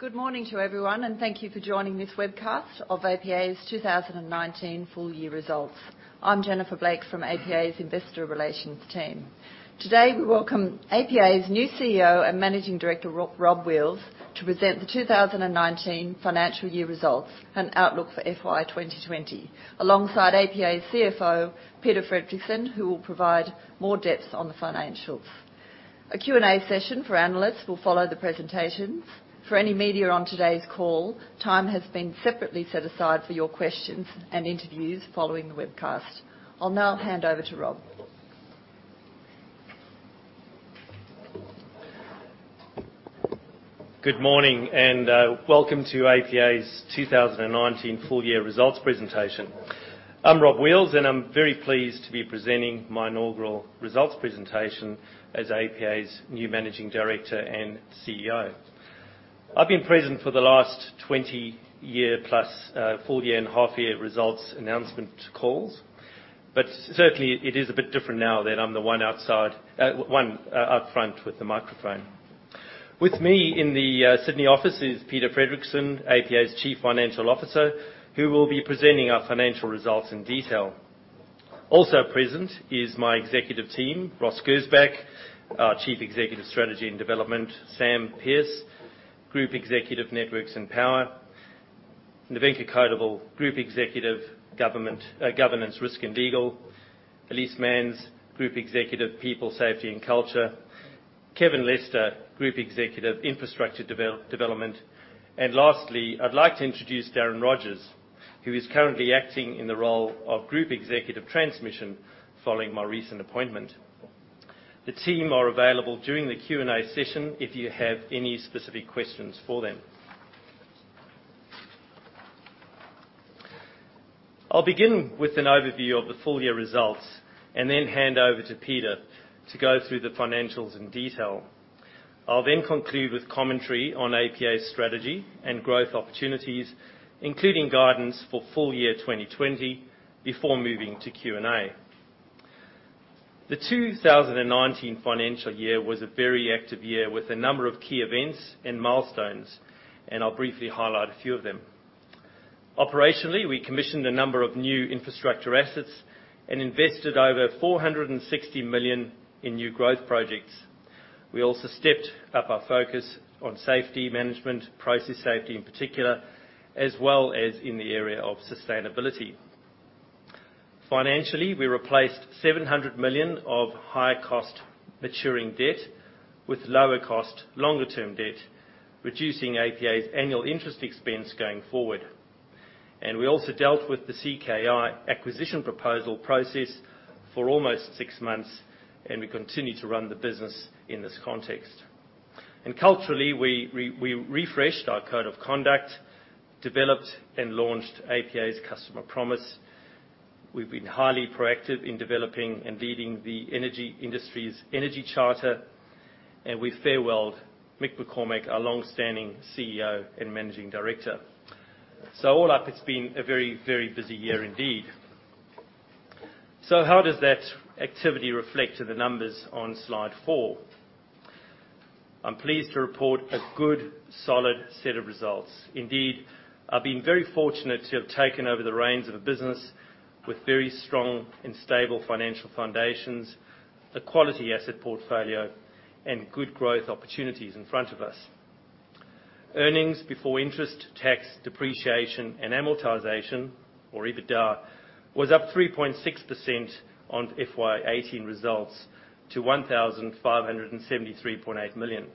Good morning to everyone, and thank you for joining this webcast of APA's 2019 full year results. I'm Jennifer Blake from APA's Investor Relations team. Today, we welcome APA's new CEO and Managing Director, Rob Wheals, to present the 2019 financial year results and outlook for FY 2020, alongside APA's CFO, Peter Fredricson, who will provide more depth on the financials. A Q&A session for analysts will follow the presentations. For any media on today's call, time has been separately set aside for your questions and interviews following the webcast. I'll now hand over to Rob. Good morning, and welcome to APA's 2019 full year results presentation. I'm Rob Wheals, and I'm very pleased to be presenting my inaugural results presentation as APA's new Managing Director and CEO. I've been present for the last 20-year-plus full year and half year results announcement calls. Certainly, it is a bit different now that I'm the one out front with the microphone. With me in the Sydney office is Peter Fredricson, APA's Chief Financial Officer, who will be presenting our financial results in detail. Also present is my executive team, Ross Gersbach, our Chief Executive, Strategy and Development, Sam Pearce, Group Executive Networks and Power, Nevenka Codevelle, Group Executive Governance, Risk, and Legal, Elise Manns, Group Executive People, Safety, and Culture, Kevin Lester, Group Executive Infrastructure Development. Lastly, I'd like to introduce Darren Rogers, who is currently acting in the role of Group Executive Transmission following my recent appointment. The team are available during the Q&A session if you have any specific questions for them. I'll begin with an overview of the full year results and then hand over to Peter to go through the financials in detail. I'll conclude with commentary on APA's strategy and growth opportunities, including guidance for full year 2020 before moving to Q&A. The 2019 financial year was a very active year with a number of key events and milestones, and I'll briefly highlight a few of them. Operationally, we commissioned a number of new infrastructure assets and invested over 460 million in new growth projects. We also stepped up our focus on safety management, process safety in particular, as well as in the area of sustainability. Financially, we replaced 700 million of high cost maturing debt with lower cost, longer term debt, reducing APA's annual interest expense going forward. We also dealt with the CKI acquisition proposal process for almost six months, and we continue to run the business in this context. Culturally, we refreshed our code of conduct, developed and launched APA's customer promise. We've been highly proactive in developing and leading the energy industry's The Energy Charter, and we farewelled Mick McCormack, our longstanding CEO and Managing Director. All up, it's been a very, very busy year indeed. How does that activity reflect to the numbers on slide four? I'm pleased to report a good, solid set of results. Indeed, I've been very fortunate to have taken over the reins of a business with very strong and stable financial foundations, a quality asset portfolio, and good growth opportunities in front of us. Earnings before interest, tax, depreciation, and amortization, or EBITDA, was up 3.6% on FY 2018 results to 1,573.8 million.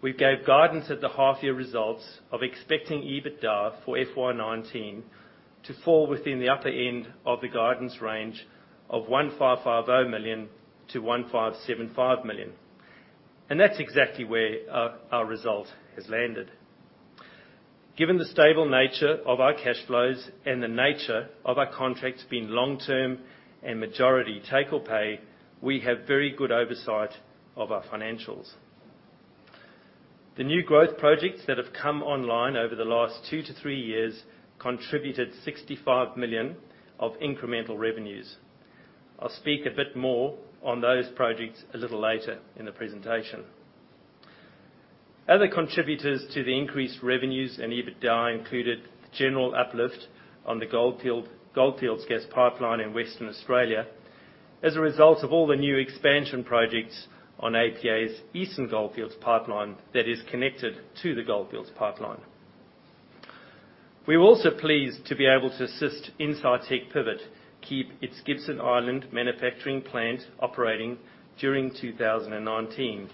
We gave guidance at the half year results of expecting EBITDA for FY 2019 to fall within the upper end of the guidance range of 1,550 million-1,575 million. That's exactly where our result has landed. Given the stable nature of our cash flows and the nature of our contracts being long-term and majority take or pay, we have very good oversight of our financials. The new growth projects that have come online over the last two to three years contributed 65 million of incremental revenues. I'll speak a bit more on those projects a little later in the presentation. Other contributors to the increased revenues and EBITDA included general uplift on the Goldfields Gas Pipeline in Western Australia as a result of all the new expansion projects on APA's Eastern Goldfields Pipeline that is connected to the Goldfields Gas Pipeline. We were also pleased to be able to assist Incitec Pivot keep its Gibson Island manufacturing plant operating during 2019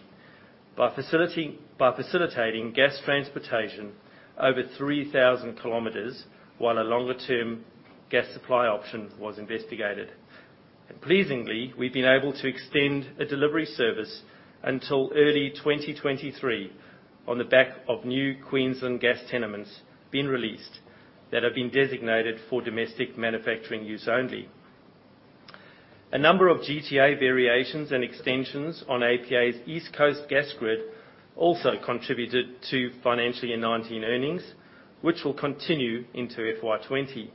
by facilitating gas transportation over 3,000 kilometers while a longer term gas supply option was investigated. Pleasingly, we've been able to extend a delivery service until early 2023 on the back of new Queensland gas tenements being released that have been designated for domestic manufacturing use only. A number of GTA variations and extensions on APA's East Coast Gas Grid also contributed to financial year 2019 earnings, which will continue into FY 2020.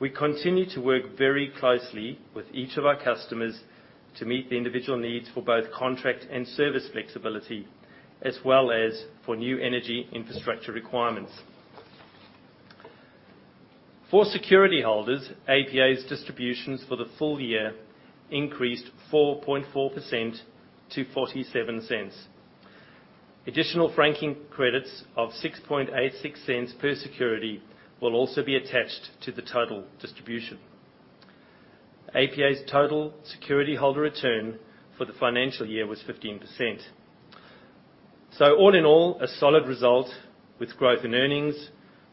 We continue to work very closely with each of our customers to meet the individual needs for both contract and service flexibility as well as for new energy infrastructure requirements. For security holders, APA's distributions for the full year increased 4.4% to 0.47. Additional franking credits of 0.0686 per security will also be attached to the total distribution. APA's total security holder return for the financial year was 15%. All in all, a solid result with growth in earnings,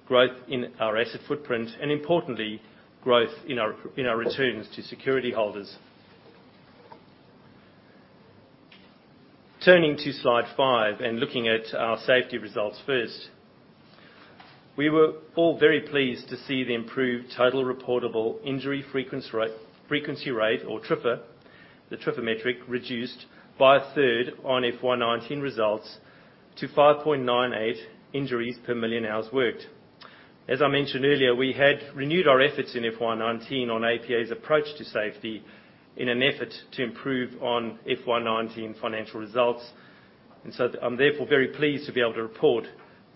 growth in our asset footprint, and importantly, growth in our returns to security holders. Turning to slide five and looking at our safety results first. We were all very pleased to see the improved total reportable injury frequency rate, or TRIR, the TRIR metric reduced by a third on FY 2019 results to 5.98 injuries per million hours worked. As I mentioned earlier, we had renewed our efforts in FY 2019 on APA's approach to safety in an effort to improve on FY 2019 financial results, and so I'm therefore very pleased to be able to report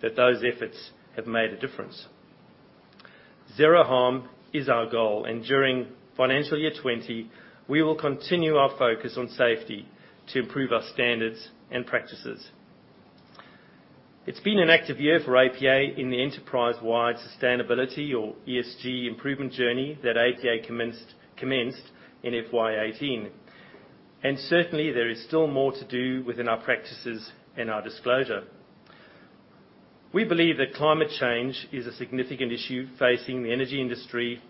that those efforts have made a difference. Zero harm is our goal, and during financial year 2020, we will continue our focus on safety to improve our standards and practices. It's been an active year for APA in the enterprise-wide sustainability or ESG improvement journey that APA commenced in FY 2018. Certainly, there is still more to do within our practices and our disclosure. We believe that climate change is a significant issue facing the energy industry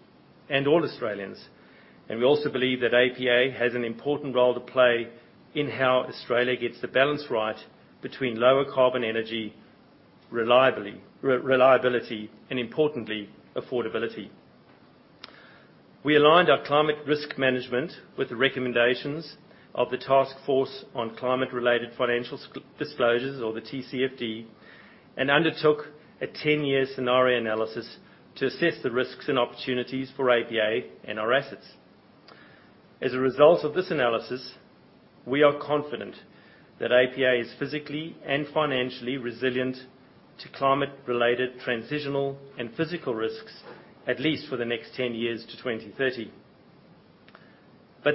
and all Australians, and we also believe that APA has an important role to play in how Australia gets the balance right between lower carbon energy, reliability, and importantly, affordability. We aligned our climate risk management with the recommendations of the Task Force on Climate-related Financial Disclosures, or the TCFD, and undertook a 10-year scenario analysis to assess the risks and opportunities for APA and our assets. As a result of this analysis, we are confident that APA is physically and financially resilient to climate-related transitional and physical risks, at least for the next 10 years to 2030.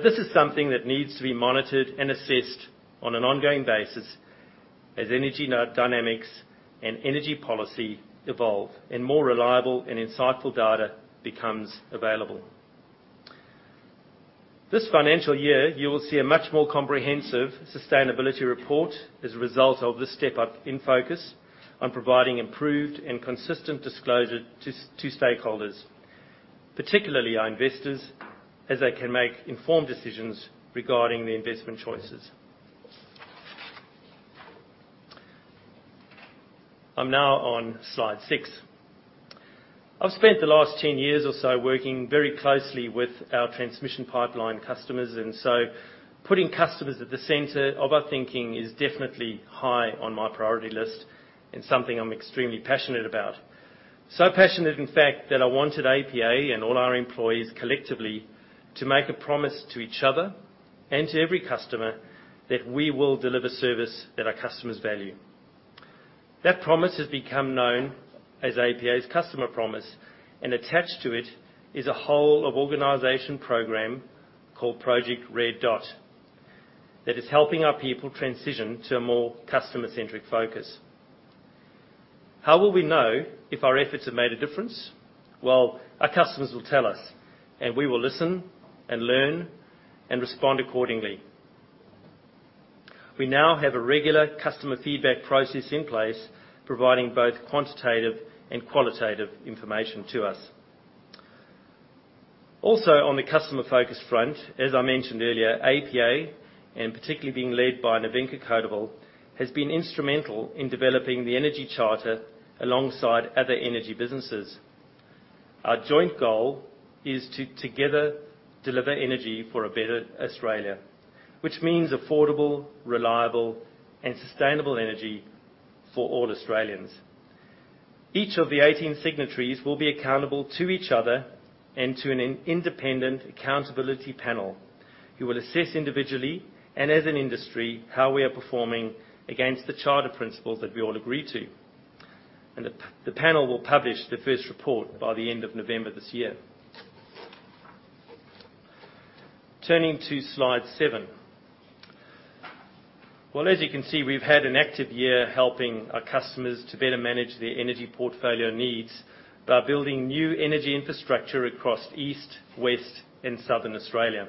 This is something that needs to be monitored and assessed on an ongoing basis as energy dynamics and energy policy evolve and more reliable and insightful data becomes available. This financial year, you will see a much more comprehensive sustainability report as a result of this step up in focus on providing improved and consistent disclosure to stakeholders, particularly our investors, as they can make informed decisions regarding their investment choices. I'm now on slide six. I've spent the last 10 years or so working very closely with our transmission pipeline customers. Putting customers at the center of our thinking is definitely high on my priority list and something I'm extremely passionate about. So passionate, in fact, that I wanted APA and all our employees collectively to make a promise to each other and to every customer that we will deliver service that our customers value. That promise has become known as APA's customer promise, and attached to it is a whole of organization program called Project Red Dot that is helping our people transition to a more customer-centric focus. How will we know if our efforts have made a difference? Well, our customers will tell us, and we will listen and learn and respond accordingly. We now have a regular customer feedback process in place, providing both quantitative and qualitative information to us. Also on the customer focus front, as I mentioned earlier, APA, and particularly being led by Nevenka Codevelle, has been instrumental in developing The Energy Charter alongside other energy businesses. Our joint goal is to together deliver energy for a better Australia, which means affordable, reliable, and sustainable energy for all Australians. Each of the 18 signatories will be accountable to each other and to an independent accountability panel, who will assess individually and as an industry how we are performing against the charter principles that we all agree to. The panel will publish the first report by the end of November this year. Turning to slide seven. Well, as you can see, we've had an active year helping our customers to better manage their energy portfolio needs by building new energy infrastructure across East, West, and Southern Australia.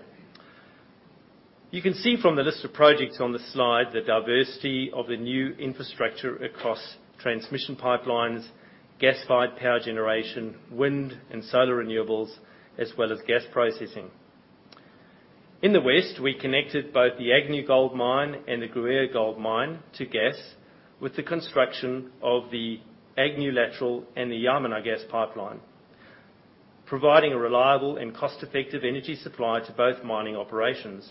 You can see from the list of projects on the slide the diversity of the new infrastructure across transmission pipelines, gas-fired power generation, wind and solar renewables, as well as gas processing. In the West, we connected both the Agnew Gold Mine and the Gruyere Gold Mine to gas with the construction of the Agnew Lateral and the Yamarna Gas Pipeline, providing a reliable and cost-effective energy supply to both mining operations.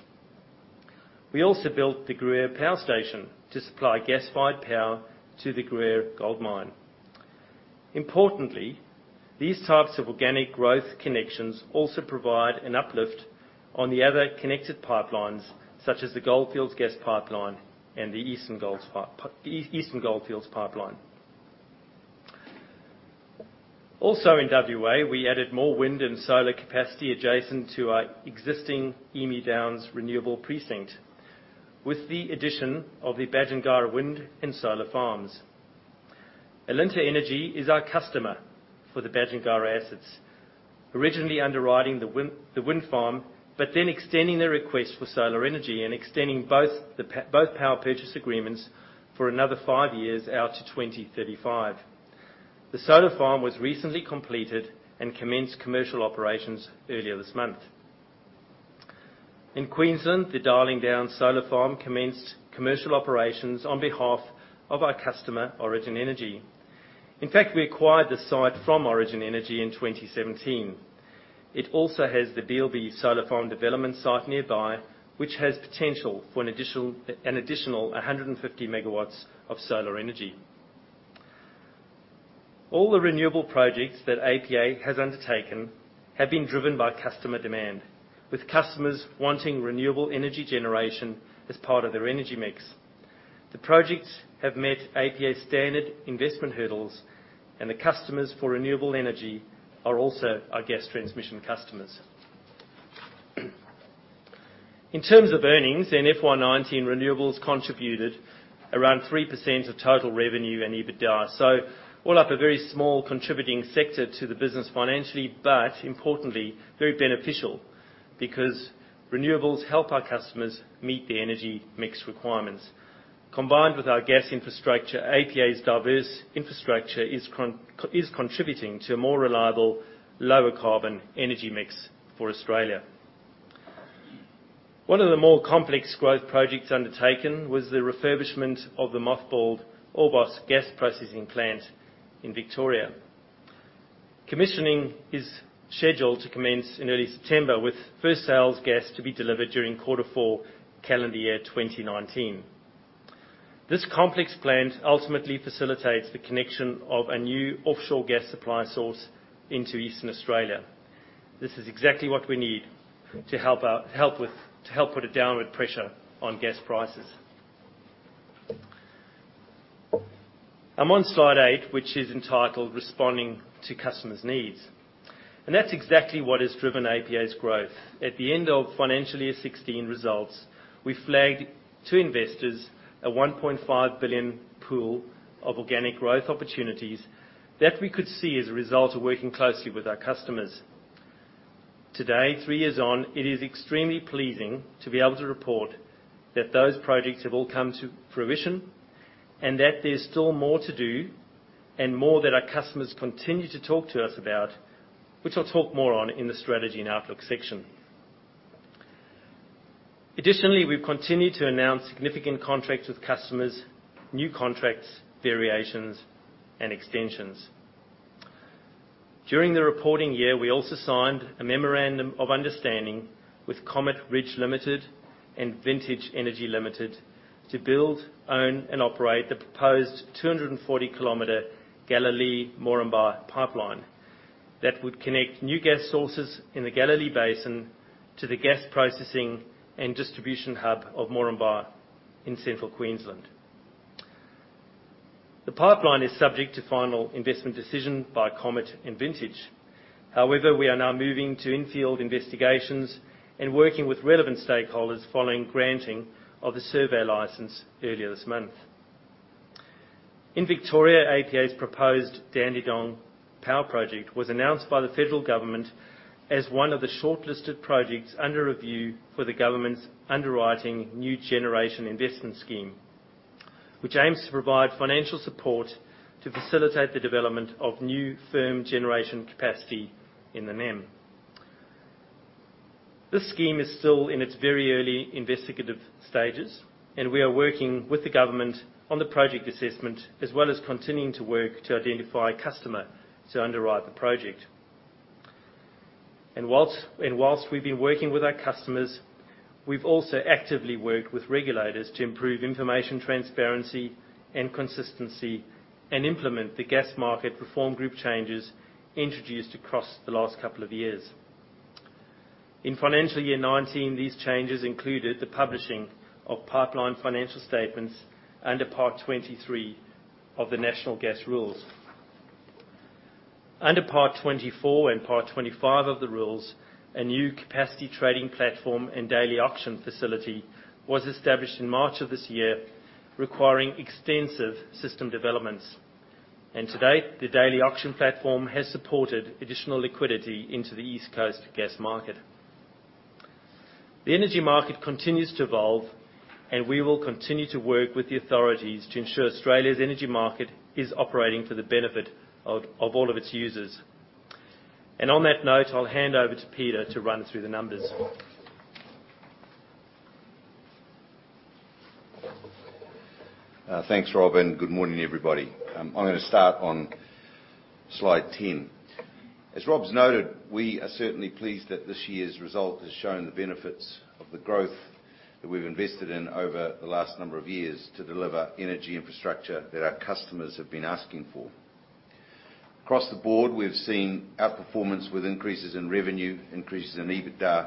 We also built the Gruyere Power Station to supply gas-fired power to the Gruyere Gold Mine. Importantly, these types of organic growth connections also provide an uplift on the other connected pipelines, such as the Goldfields Gas Pipeline and the Eastern Goldfields Pipeline. In WA, we added more wind and solar capacity adjacent to our existing Emu Downs renewable precinct, with the addition of the Badgingarra Wind and Solar Farms. Alinta Energy is our customer for the Badgingarra assets. Originally underwriting the wind farm, but then extending the request for solar energy and extending both power purchase agreements for another five years out to 2035. The solar farm was recently completed and commenced commercial operations earlier this month. In Queensland, the Darling Downs Solar Farm commenced commercial operations on behalf of our customer, Origin Energy. In fact, we acquired the site from Origin Energy in 2017. It also has the Beelbie Solar Farm development site nearby, which has potential for an additional 150 megawatts of solar energy. All the renewable projects that APA has undertaken have been driven by customer demand, with customers wanting renewable energy generation as part of their energy mix. The projects have met APA's standard investment hurdles, and the customers for renewable energy are also our gas transmission customers. In terms of earnings, in FY 2019, renewables contributed around 3% of total revenue and EBITDA. All up, a very small contributing sector to the business financially, but importantly, very beneficial because renewables help our customers meet the energy mix requirements. Combined with our gas infrastructure, APA's diverse infrastructure is contributing to a more reliable, lower carbon energy mix for Australia. One of the more complex growth projects undertaken was the refurbishment of the mothballed Orbost Gas Processing Plant in Victoria. Commissioning is scheduled to commence in early September, with first sales gas to be delivered during quarter four calendar year 2019. This complex plant ultimately facilitates the connection of a new offshore gas supply source into Eastern Australia. This is exactly what we need to help put a downward pressure on gas prices. I'm on slide eight, which is entitled Responding to Customers' Needs, and that's exactly what has driven APA's growth. At the end of financial year 2016 results, we flagged to investors a 1.5 billion pool of organic growth opportunities that we could see as a result of working closely with our customers. Today, three years on, it is extremely pleasing to be able to report that those projects have all come to fruition, and that there's still more to do and more that our customers continue to talk to us about, which I'll talk more on in the strategy and outlook section. Additionally, we've continued to announce significant contracts with customers, new contracts, variations, and extensions. During the reporting year, we also signed a memorandum of understanding with Comet Ridge Limited and Vintage Energy Limited to build, own, and operate the proposed 240-kilometer Galilee-Moranbah Pipeline that would connect new gas sources in the Galilee Basin to the gas processing and distribution hub of Moranbah in Central Queensland. The pipeline is subject to final investment decision by Comet and Vintage. However, we are now moving to infield investigations and working with relevant stakeholders following granting of the survey license earlier this month. In Victoria, APA's proposed Dandenong Power project was announced by the federal government as one of the shortlisted projects under review for the government's underwriting new generation investment scheme, which aims to provide financial support to facilitate the development of new firm generation capacity in the NEM. This scheme is still in its very early investigative stages. We are working with the government on the project assessment, as well as continuing to work to identify a customer to underwrite the project. Whilst we've been working with our customers, we've also actively worked with regulators to improve information transparency and consistency and implement the Gas Market Reform Group changes introduced across the last couple of years. In FY 2019, these changes included the publishing of pipeline financial statements under Part 23 of the National Gas Rules. Under Part 24 and Part 25 of the National Gas Rules, a new capacity trading platform and daily auction facility was established in March of this year, requiring extensive system developments. To date, the daily auction platform has supported additional liquidity into the East Coast gas market. The energy market continues to evolve, we will continue to work with the authorities to ensure Australia's energy market is operating for the benefit of all of its users. On that note, I'll hand over to Peter to run through the numbers. Thanks, Rob. Good morning, everybody. I'm going to start on slide 10. As Rob's noted, we are certainly pleased that this year's result has shown the benefits of the growth that we've invested in over the last number of years to deliver energy infrastructure that our customers have been asking for. Across the board, we've seen outperformance with increases in revenue, increases in EBITDA,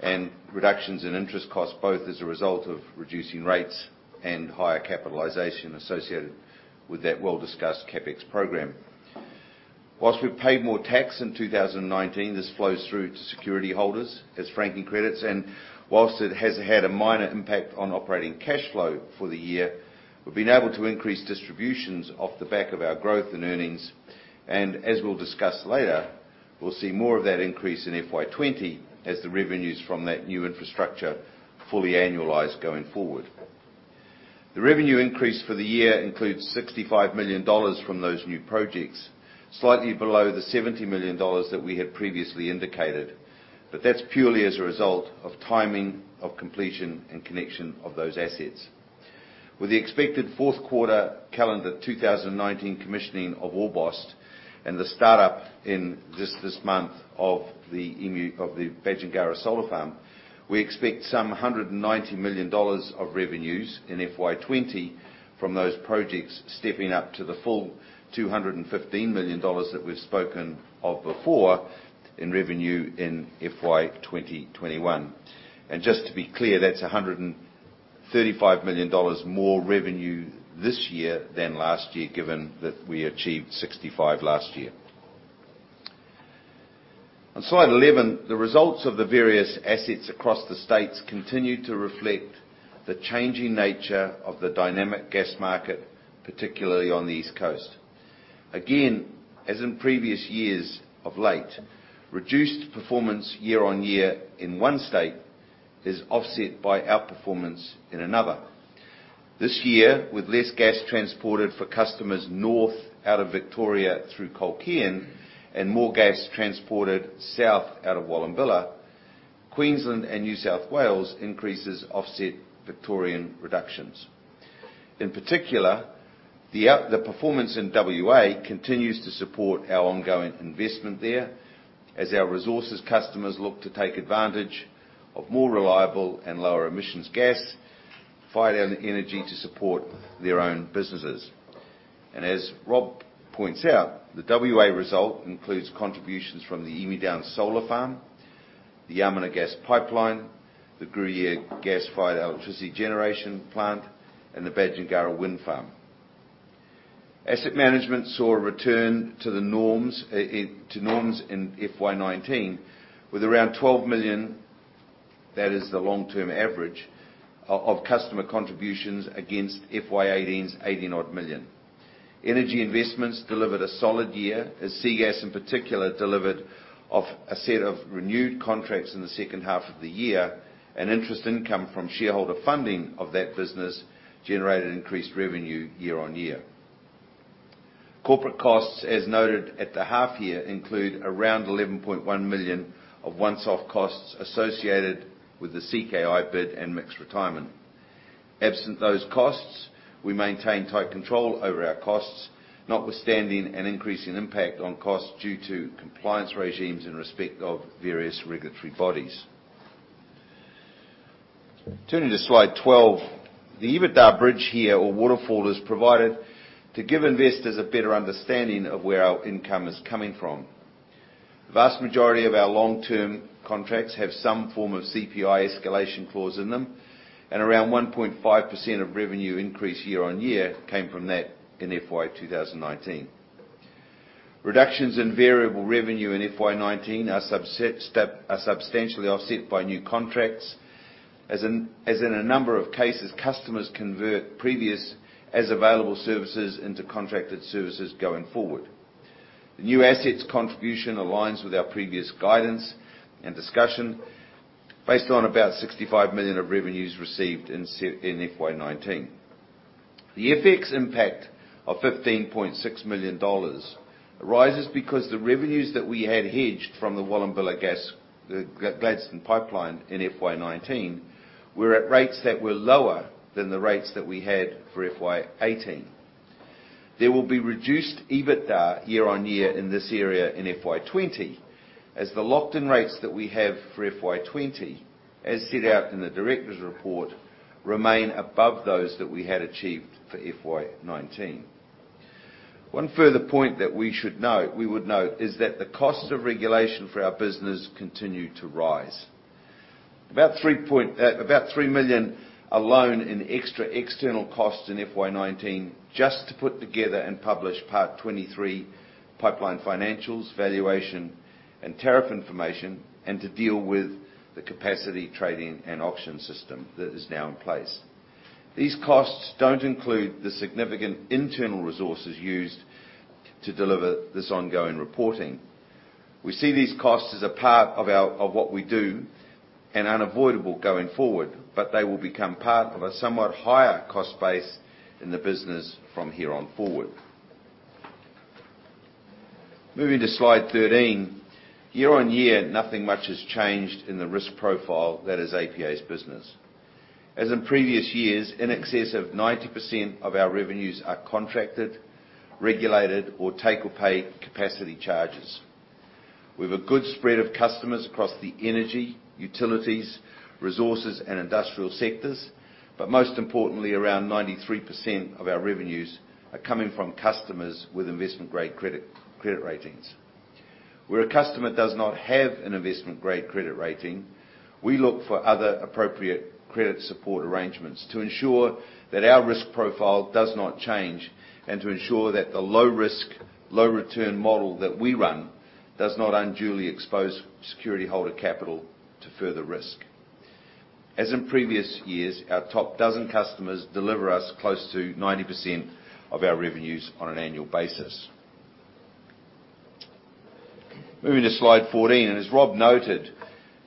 and reductions in interest costs, both as a result of reducing rates and higher capitalization associated with that well-discussed CapEx program. Whilst we've paid more tax in 2019, this flows through to security holders as franking credits, and whilst it has had a minor impact on operating cash flow for the year, we've been able to increase distributions off the back of our growth and earnings. As we'll discuss later, we'll see more of that increase in FY 2020 as the revenues from that new infrastructure fully annualize going forward. The revenue increase for the year includes 65 million dollars from those new projects, slightly below the 70 million dollars that we had previously indicated, but that's purely as a result of timing of completion and connection of those assets. With the expected fourth quarter calendar 2019 commissioning of Orbost and the start-up in this month of the Badgingarra solar farm, we expect some 190 million dollars of revenues in FY 2020 from those projects stepping up to the full 215 million dollars that we've spoken of before in revenue in FY 2021. Just to be clear, that's 135 million dollars more revenue this year than last year, given that we achieved 65 last year. On slide 11, the results of the various assets across the states continue to reflect the changing nature of the dynamic gas market, particularly on the East Coast. Again, as in previous years of late, reduced performance year-on-year in one state is offset by outperformance in another. This year, with less gas transported for customers north out of Victoria through Culcairn and more gas transported south out of Wallumbilla, Queensland and New South Wales increases offset Victorian reductions. In particular, the performance in WA continues to support our ongoing investment there as our resources customers look to take advantage of more reliable and lower emissions gas fired out of the energy to support their own businesses. As Rob points out, the WA result includes contributions from the Emu Downs solar farm, the Yamarna gas pipeline, the Gruyere gas-fired electricity generation plant, and the Badgingarra wind farm. Asset management saw a return to norms in FY 2019 with around 12 million, that is the long-term average, of customer contributions against FY 2018's 80-odd million. Energy investments delivered a solid year, as SEA Gas, in particular, delivered off a set of renewed contracts in the second half of the year, and interest income from shareholder funding of that business generated increased revenue year on year. Corporate costs, as noted at the half year, include around 11.1 million of once-off costs associated with the CKI bid and Mick's retirement. Absent those costs, we maintain tight control over our costs, notwithstanding an increase in impact on costs due to compliance regimes in respect of various regulatory bodies. Turning to slide 12, the EBITDA bridge here or waterfall is provided to give investors a better understanding of where our income is coming from. The vast majority of our long-term contracts have some form of CPI escalation clause in them, around 1.5% of revenue increase year-over-year came from that in FY 2019. Reductions in variable revenue in FY 2019 are substantially offset by new contracts, as in a number of cases, customers convert previous as-available services into contracted services going forward. The new assets contribution aligns with our previous guidance and discussion based on about 65 million of revenues received in FY 2019. The FX impact of 15.6 million dollars arises because the revenues that we had hedged from the Wallumbilla gas, the Gladstone Pipeline in FY 2019, were at rates that were lower than the rates that we had for FY 2018. There will be reduced EBITDA year-on-year in this area in FY 2020, as the locked-in rates that we have for FY 2020, as set out in the director's report, remain above those that we had achieved for FY 2019. One further point that we would note is that the cost of regulation for our business continued to rise. About 3 million alone in extra external costs in FY 2019 just to put together and publish Part 23 pipeline financials, valuation, and tariff information, and to deal with the capacity trading and auction system that is now in place. These costs don't include the significant internal resources used to deliver this ongoing reporting. We see these costs as a part of what we do and unavoidable going forward, but they will become part of a somewhat higher cost base in the business from here on forward. Moving to slide 13. Year on year, nothing much has changed in the risk profile that is APA's business. As in previous years, in excess of 90% of our revenues are contracted, regulated or take-or-pay capacity charges. We've a good spread of customers across the energy, utilities, resources, and industrial sectors. Most importantly, around 93% of our revenues are coming from customers with investment-grade credit ratings. Where a customer does not have an investment-grade credit rating, we look for other appropriate credit support arrangements to ensure that our risk profile does not change, and to ensure that the low risk, low return model that we run does not unduly expose security holder capital to further risk. As in previous years, our top 12 customers deliver us close to 90% of our revenues on an annual basis. Moving to slide 14. As Rob noted,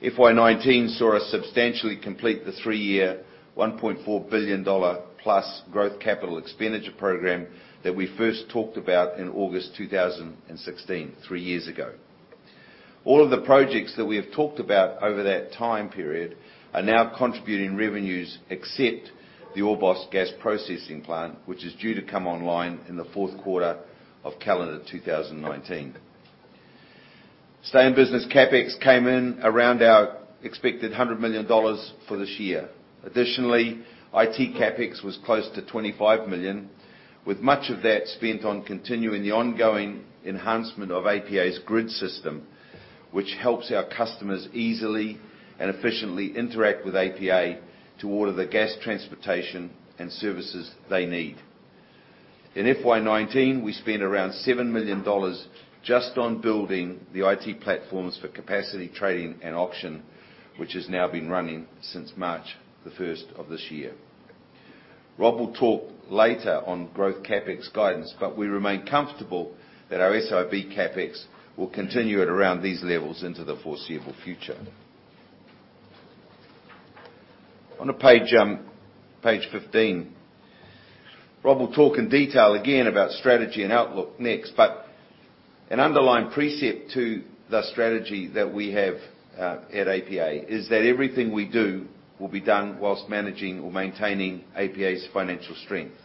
FY 2019 saw us substantially complete the three-year 1.4 billion dollar-plus growth capital expenditure program that we first talked about in August 2016, three years ago. All of the projects that we have talked about over that time period are now contributing revenues except the Orbost Gas Processing Plant, which is due to come online in the fourth quarter of calendar 2019. Stay-in-business CapEx came in around our expected 100 million dollars for this year. Additionally, IT CapEx was close to 25 million, with much of that spent on continuing the ongoing enhancement of APA's grid system, which helps our customers easily and efficiently interact with APA to order the gas transportation and services they need. In FY 2019, we spent around 7 million dollars just on building the IT platforms for capacity trading and auction, which has now been running since March 1st of this year. Rob will talk later on growth CapEx guidance, but we remain comfortable that our SIB CapEx will continue at around these levels into the foreseeable future. On to page 15. Rob will talk in detail again about strategy and outlook next, but an underlying precept to the strategy that we have at APA is that everything we do will be done whilst managing or maintaining APA's financial strength.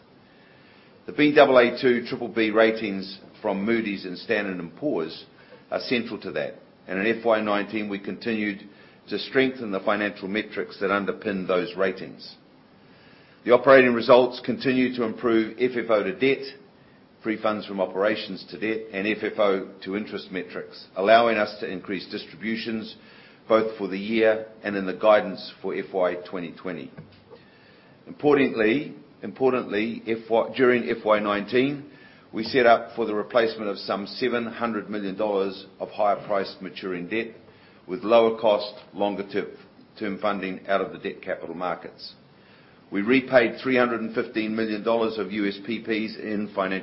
The Baa2/BBB ratings from Moody's and Standard & Poor's are central to that. In FY 2019, we continued to strengthen the financial metrics that underpin those ratings. The operating results continue to improve FFO to debt, free funds from operations to debt, and FFO to interest metrics, allowing us to increase distributions both for the year and in the guidance for FY 2020. Importantly, during FY 2019, we set out for the replacement of some 700 million dollars of higher-priced maturing debt with lower cost, longer-term funding out of the debt capital markets. We repaid 315 million dollars of USPPs in FY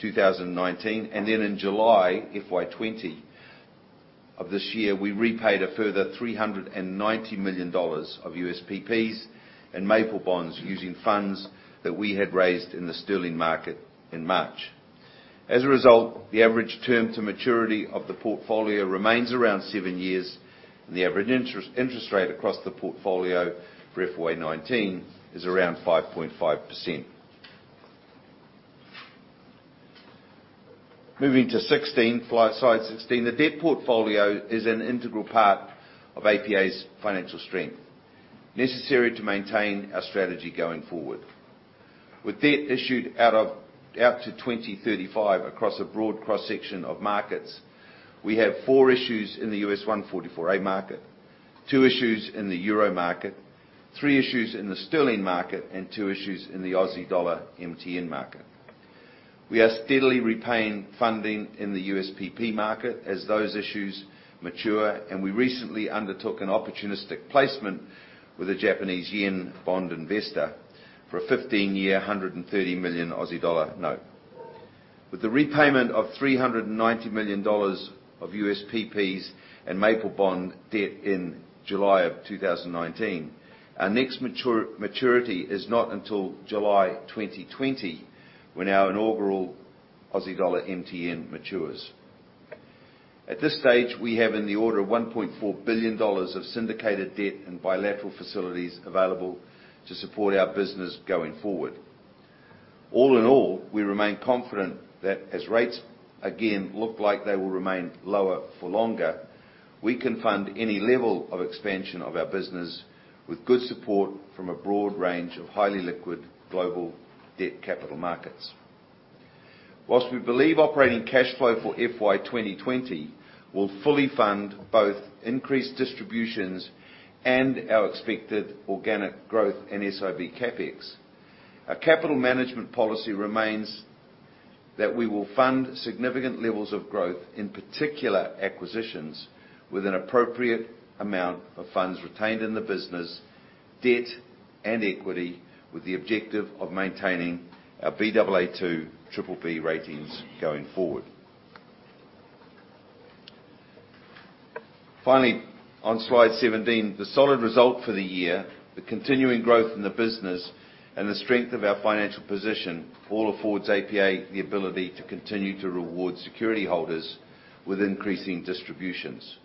2019. Then in July FY 2020 of this year, we repaid a further 390 million dollars of USPPs and Maple bonds using funds that we had raised in the sterling market in March. As a result, the average term to maturity of the portfolio remains around seven years, and the average interest rate across the portfolio for FY 2019 is around 5.5%. Moving to slide 16. The debt portfolio is an integral part of APA's financial strength, necessary to maintain our strategy going forward. With debt issued out to 2035 across a broad cross-section of markets, we have four issues in the U.S. 144A market, two issues in the Euro market, three issues in the sterling market, and two issues in the AUD MTN market. We are steadily repaying funding in the USPP market as those issues mature. We recently undertook an opportunistic placement with a Japanese yen bond investor for a 15-year, 130 million Aussie dollar note. With the repayment of 390 million dollars of USPPs and Maple bond debt in July 2019, our next maturity is not until July 2020, when our inaugural AUD MTN matures. At this stage, we have in the order of 1.4 billion dollars of syndicated debt and bilateral facilities available to support our business going forward. All in all, we remain confident that as rates again look like they will remain lower for longer, we can fund any level of expansion of our business with good support from a broad range of highly liquid global debt capital markets. We believe operating cash flow for FY 2020 will fully fund both increased distributions and our expected organic growth and SIB CapEx, our capital management policy remains that we will fund significant levels of growth, in particular acquisitions, with an appropriate amount of funds retained in the business, debt, and equity, with the objective of maintaining our Baa2/BBB ratings going forward. Finally, on Slide 17, the solid result for the year, the continuing growth in the business, and the strength of our financial position all affords APA the ability to continue to reward security holders with increasing distributions.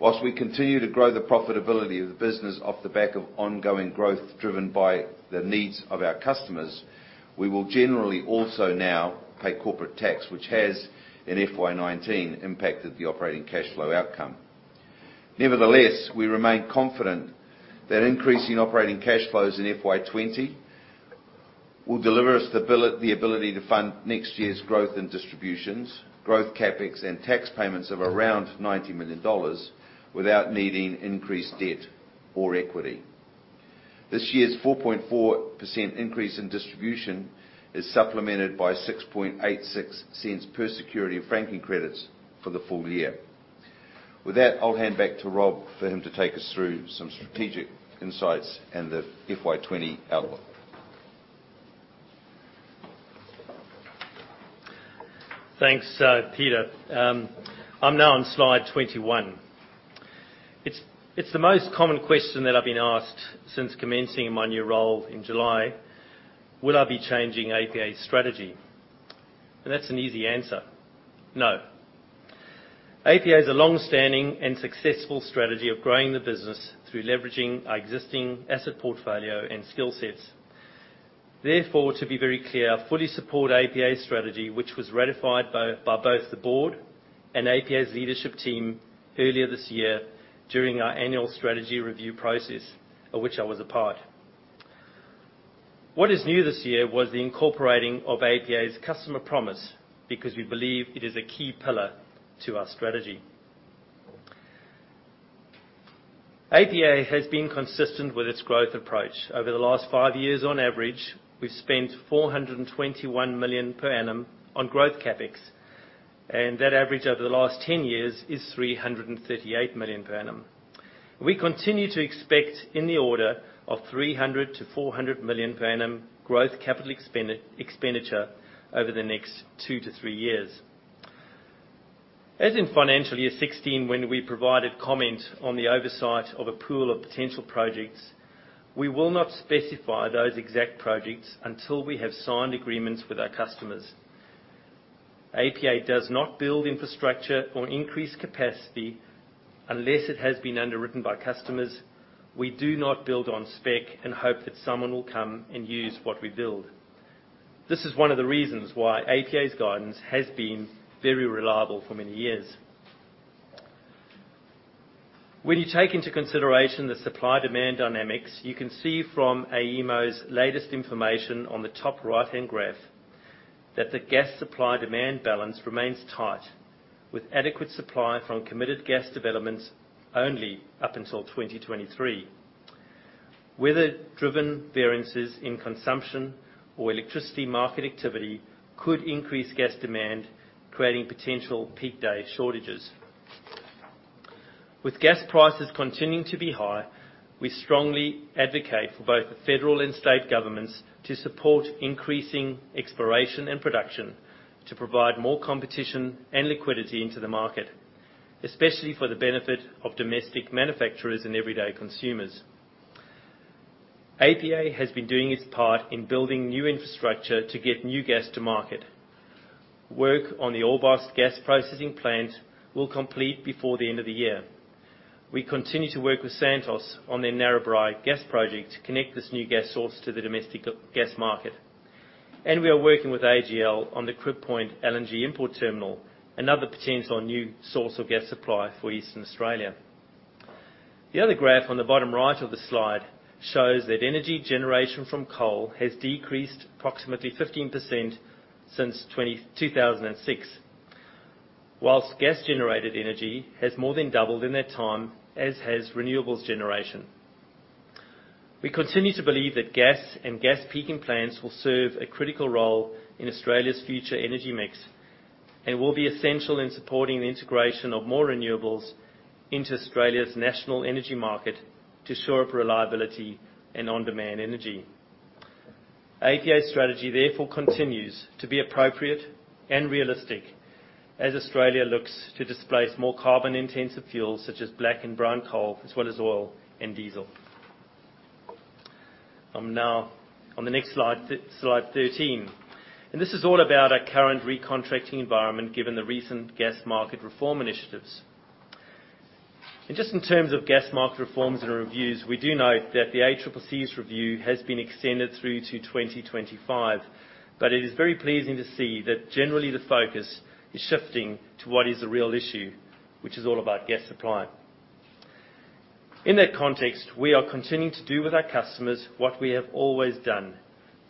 Whilst we continue to grow the profitability of the business off the back of ongoing growth driven by the needs of our customers, we will generally also now pay corporate tax, which has, in FY 2019, impacted the operating cash flow outcome. Nevertheless, we remain confident that increasing operating cash flows in FY 2020 will deliver us the ability to fund next year's growth and distributions, growth CapEx, and tax payments of around 90 million dollars without needing increased debt or equity. This year's 4.4% increase in distribution is supplemented by 0.0686 per security of franking credits for the full year. With that, I'll hand back to Rob for him to take us through some strategic insights and the FY 2020 outlook. Thanks, Peter. I'm now on Slide 21. It's the most common question that I've been asked since commencing in my new role in July: Will I be changing APA's strategy? That's an easy answer. No. APA has a longstanding and successful strategy of growing the business through leveraging our existing asset portfolio and skill sets. Therefore, to be very clear, I fully support APA's strategy, which was ratified by both the board and APA's leadership team earlier this year during our annual strategy review process, of which I was a part. What is new this year was the incorporating of APA's customer promise because we believe it is a key pillar to our strategy. APA has been consistent with its growth approach. Over the last five years on average, we've spent 421 million per annum on growth CapEx, and that average over the last 10 years is 338 million per annum. We continue to expect in the order of 300 million-400 million per annum growth capital expenditure over the next two to three years. As in FY 2016, when we provided comment on the oversight of a pool of potential projects, we will not specify those exact projects until we have signed agreements with our customers. APA does not build infrastructure or increase capacity unless it has been underwritten by customers. We do not build on spec and hope that someone will come and use what we build. This is one of the reasons why APA's guidance has been very reliable for many years. When you take into consideration the supply-demand dynamics, you can see from AEMO's latest information on the top right-hand graph that the gas supply-demand balance remains tight, with adequate supply from committed gas developments only up until 2023. Weather-driven variances in consumption or electricity market activity could increase gas demand, creating potential peak day shortages. With gas prices continuing to be high, we strongly advocate for both the federal and state governments to support increasing exploration and production to provide more competition and liquidity into the market, especially for the benefit of domestic manufacturers and everyday consumers. APA has been doing its part in building new infrastructure to get new gas to market. Work on the Orbost Gas Processing Plant will complete before the end of the year. We continue to work with Santos on their Narrabri gas project to connect this new gas source to the domestic gas market. We are working with AGL on the Crib Point LNG Import Terminal, another potential new source of gas supply for Eastern Australia. The other graph on the bottom right of the slide shows that energy generation from coal has decreased approximately 15% since 2006, while gas-generated energy has more than doubled in that time, as has renewables generation. We continue to believe that gas and gas peaking plants will serve a critical role in Australia's future energy mix and will be essential in supporting the integration of more renewables into Australia's National Energy Market to shore up reliability and on-demand energy. APA's strategy therefore continues to be appropriate and realistic as Australia looks to displace more carbon-intensive fuels such as black and brown coal, as well as oil and diesel. I'm now on the next slide, Slide 13. This is all about our current recontracting environment given the recent gas market reform initiatives. Just in terms of gas market reforms and reviews, we do note that the ACCC's review has been extended through to 2025. It is very pleasing to see that generally the focus is shifting to what is the real issue, which is all about gas supply. In that context, we are continuing to do with our customers what we have always done.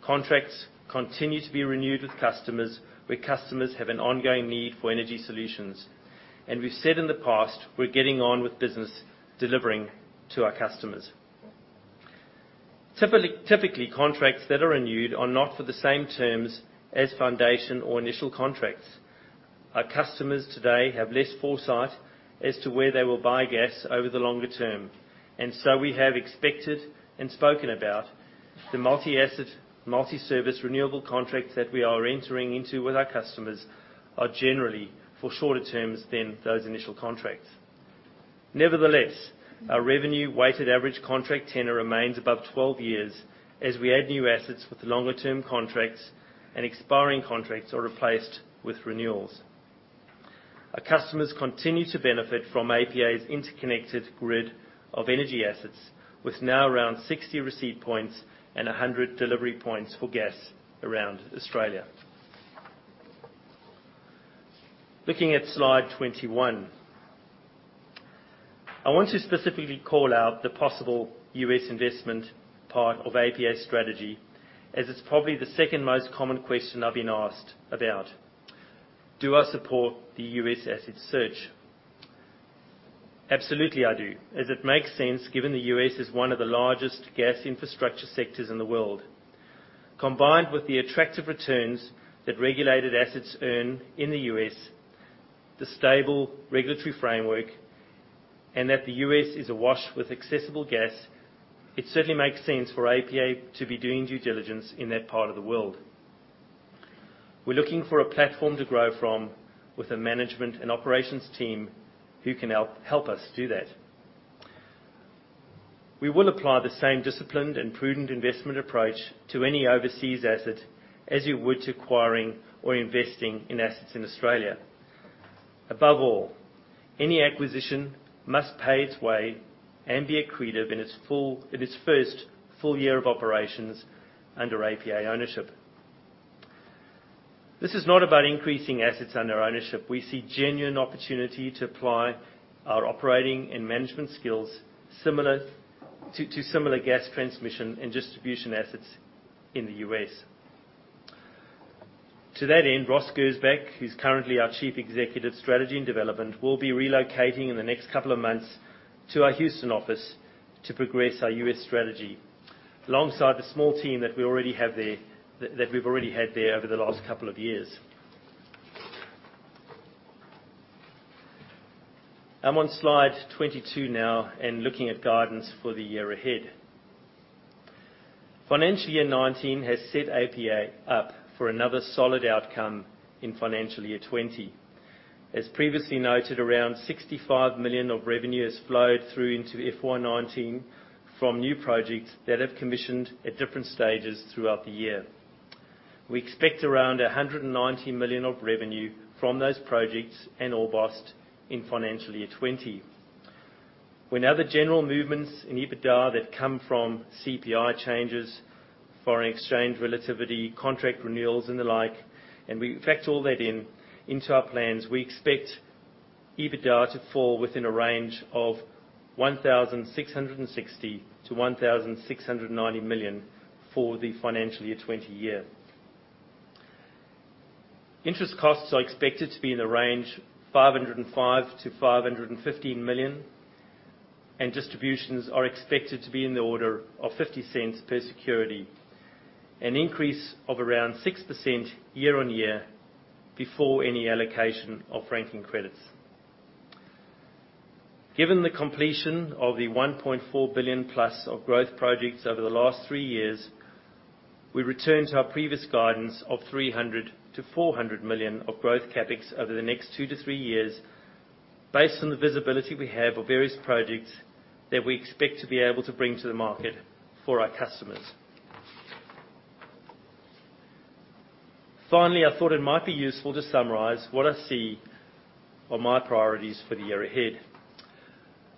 Contracts continue to be renewed with customers where customers have an ongoing need for energy solutions. We've said in the past, we're getting on with business delivering to our customers. Typically, contracts that are renewed are not for the same terms as foundation or initial contracts. Our customers today have less foresight as to where they will buy gas over the longer term. The multi-asset, multi-service renewable contracts that we are entering into with our customers are generally for shorter terms than those initial contracts. Nevertheless, our revenue-weighted average contract tenure remains above 12 years as we add new assets with longer-term contracts, and expiring contracts are replaced with renewals. Our customers continue to benefit from APA Group's interconnected grid of energy assets, with now around 60 receipt points and 100 delivery points for gas around Australia. Looking at slide 21. I want to specifically call out the possible U.S. investment part of APA Group's strategy, as it's probably the second-most common question I've been asked about. Do I support the U.S. asset search? Absolutely, I do, as it makes sense given the U.S. is one of the largest gas infrastructure sectors in the world. Combined with the attractive returns that regulated assets earn in the U.S., the stable regulatory framework, and that the U.S. is awash with accessible gas, it certainly makes sense for APA to be doing due diligence in that part of the world. We're looking for a platform to grow from with a management and operations team who can help us do that. We will apply the same disciplined and prudent investment approach to any overseas asset as we would to acquiring or investing in assets in Australia. Above all, any acquisition must pay its way and be accretive in its first full year of operations under APA ownership. This is not about increasing assets under ownership. We see genuine opportunity to apply our operating and management skills to similar gas transmission and distribution assets in the U.S. To that end, Ross Gersbach, who is currently our Chief Executive, Strategy and Development, will be relocating in the next couple of months to our Houston office to progress our U.S. strategy alongside the small team that we have already had there over the last couple of years. I am on slide 22 now and looking at guidance for the year ahead. Financial Year 2019 has set APA up for another solid outcome in Financial Year 2020. As previously noted, around 65 million of revenue has flowed through into FY 2019 from new projects that have commissioned at different stages throughout the year. We expect around 190 million of revenue from those projects and Orbost in Financial Year 2020. When other general movements in EBITDA that come from CPI changes, foreign exchange relativity, contract renewals, and the like, and we factor all that in into our plans, we expect EBITDA to fall within a range of 1,660 million-1,690 million for the financial year 2020. Interest costs are expected to be in the range 505 million-515 million, and distributions are expected to be in the order of 0.50 per security, an increase of around 6% year-on-year before any allocation of ranking credits. Given the completion of the 1.4 billion-plus of growth projects over the last three years, we return to our previous guidance of 300 million-400 million of growth CapEx over the next two to three years based on the visibility we have of various projects that we expect to be able to bring to the market for our customers. Finally, I thought it might be useful to summarize what I see are my priorities for the year ahead.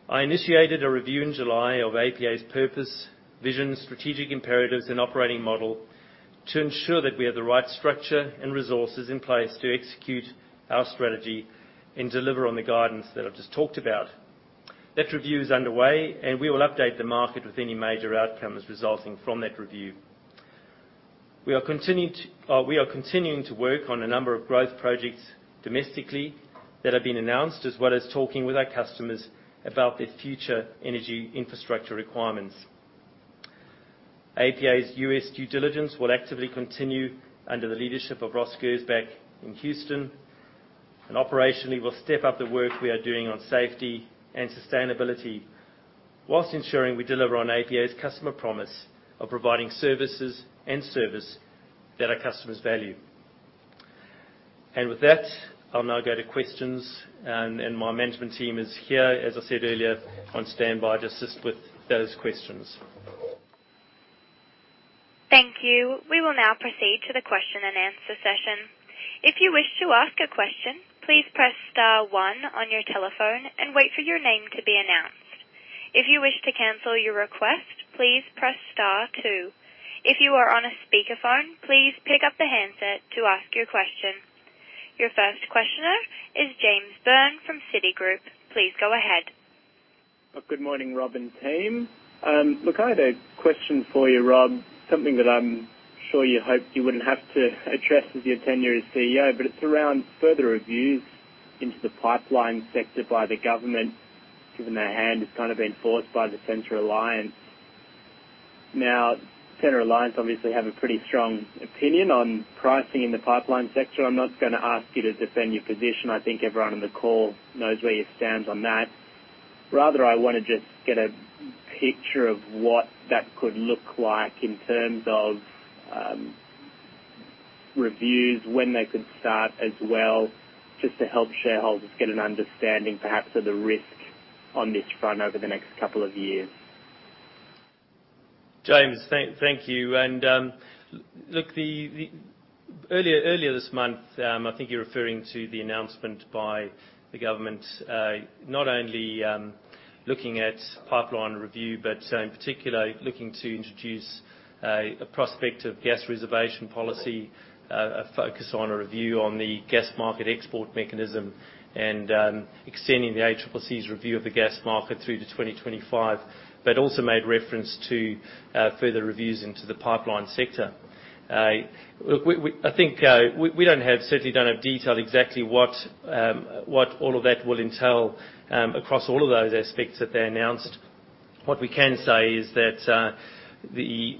I initiated a review in July of APA's purpose, vision, strategic imperatives, and operating model to ensure that we have the right structure and resources in place to execute our strategy and deliver on the guidance that I've just talked about. That review is underway, and we will update the market with any major outcomes resulting from that review. We are continuing to work on a number of growth projects domestically that have been announced, as well as talking with our customers about their future energy infrastructure requirements. APA's U.S. due diligence will actively continue under the leadership of Ross Gersbach in Houston. Operationally, we'll step up the work we are doing on safety and sustainability whilst ensuring we deliver on APA's customer promise of providing services and service that our customers value. With that, I'll now go to questions, and my management team is here, as I said earlier, on standby to assist with those questions. Thank you. We will now proceed to the question-and-answer session. If you wish to ask a question, please press star one on your telephone and wait for your name to be announced. If you wish to cancel your request, please press star two. If you are on a speakerphone, please pick up the handset to ask your question. Your first questioner is James Byrne from Citigroup. Please go ahead. Good morning, Rob and team. Look, I had a question for you, Rob, something that I am sure you hoped you wouldn't have to address as your tenure as CEO, but it surrounds further reviews into the pipeline sector by the government, given their hand has kind of been forced by the Centre Alliance. Centre Alliance obviously have a pretty strong opinion on pricing in the pipeline sector. I am not going to ask you to defend your position. I think everyone on the call knows where you stand on that. I want to just get a picture of what that could look like in terms of reviews, when they could start as well, just to help shareholders get an understanding perhaps of the risk on this front over the next couple of years. James, thank you. Look, earlier this month, I think you're referring to the announcement by the government, not only looking at pipeline review, but in particular, looking to introduce a prospective gas reservation policy, a focus on a review on the gas market export mechanism, extending the ACCC's review of the gas market through to 2025, also made reference to further reviews into the pipeline sector. I think we don't have detail exactly what all of that will entail across all of those aspects that they announced. What we can say is that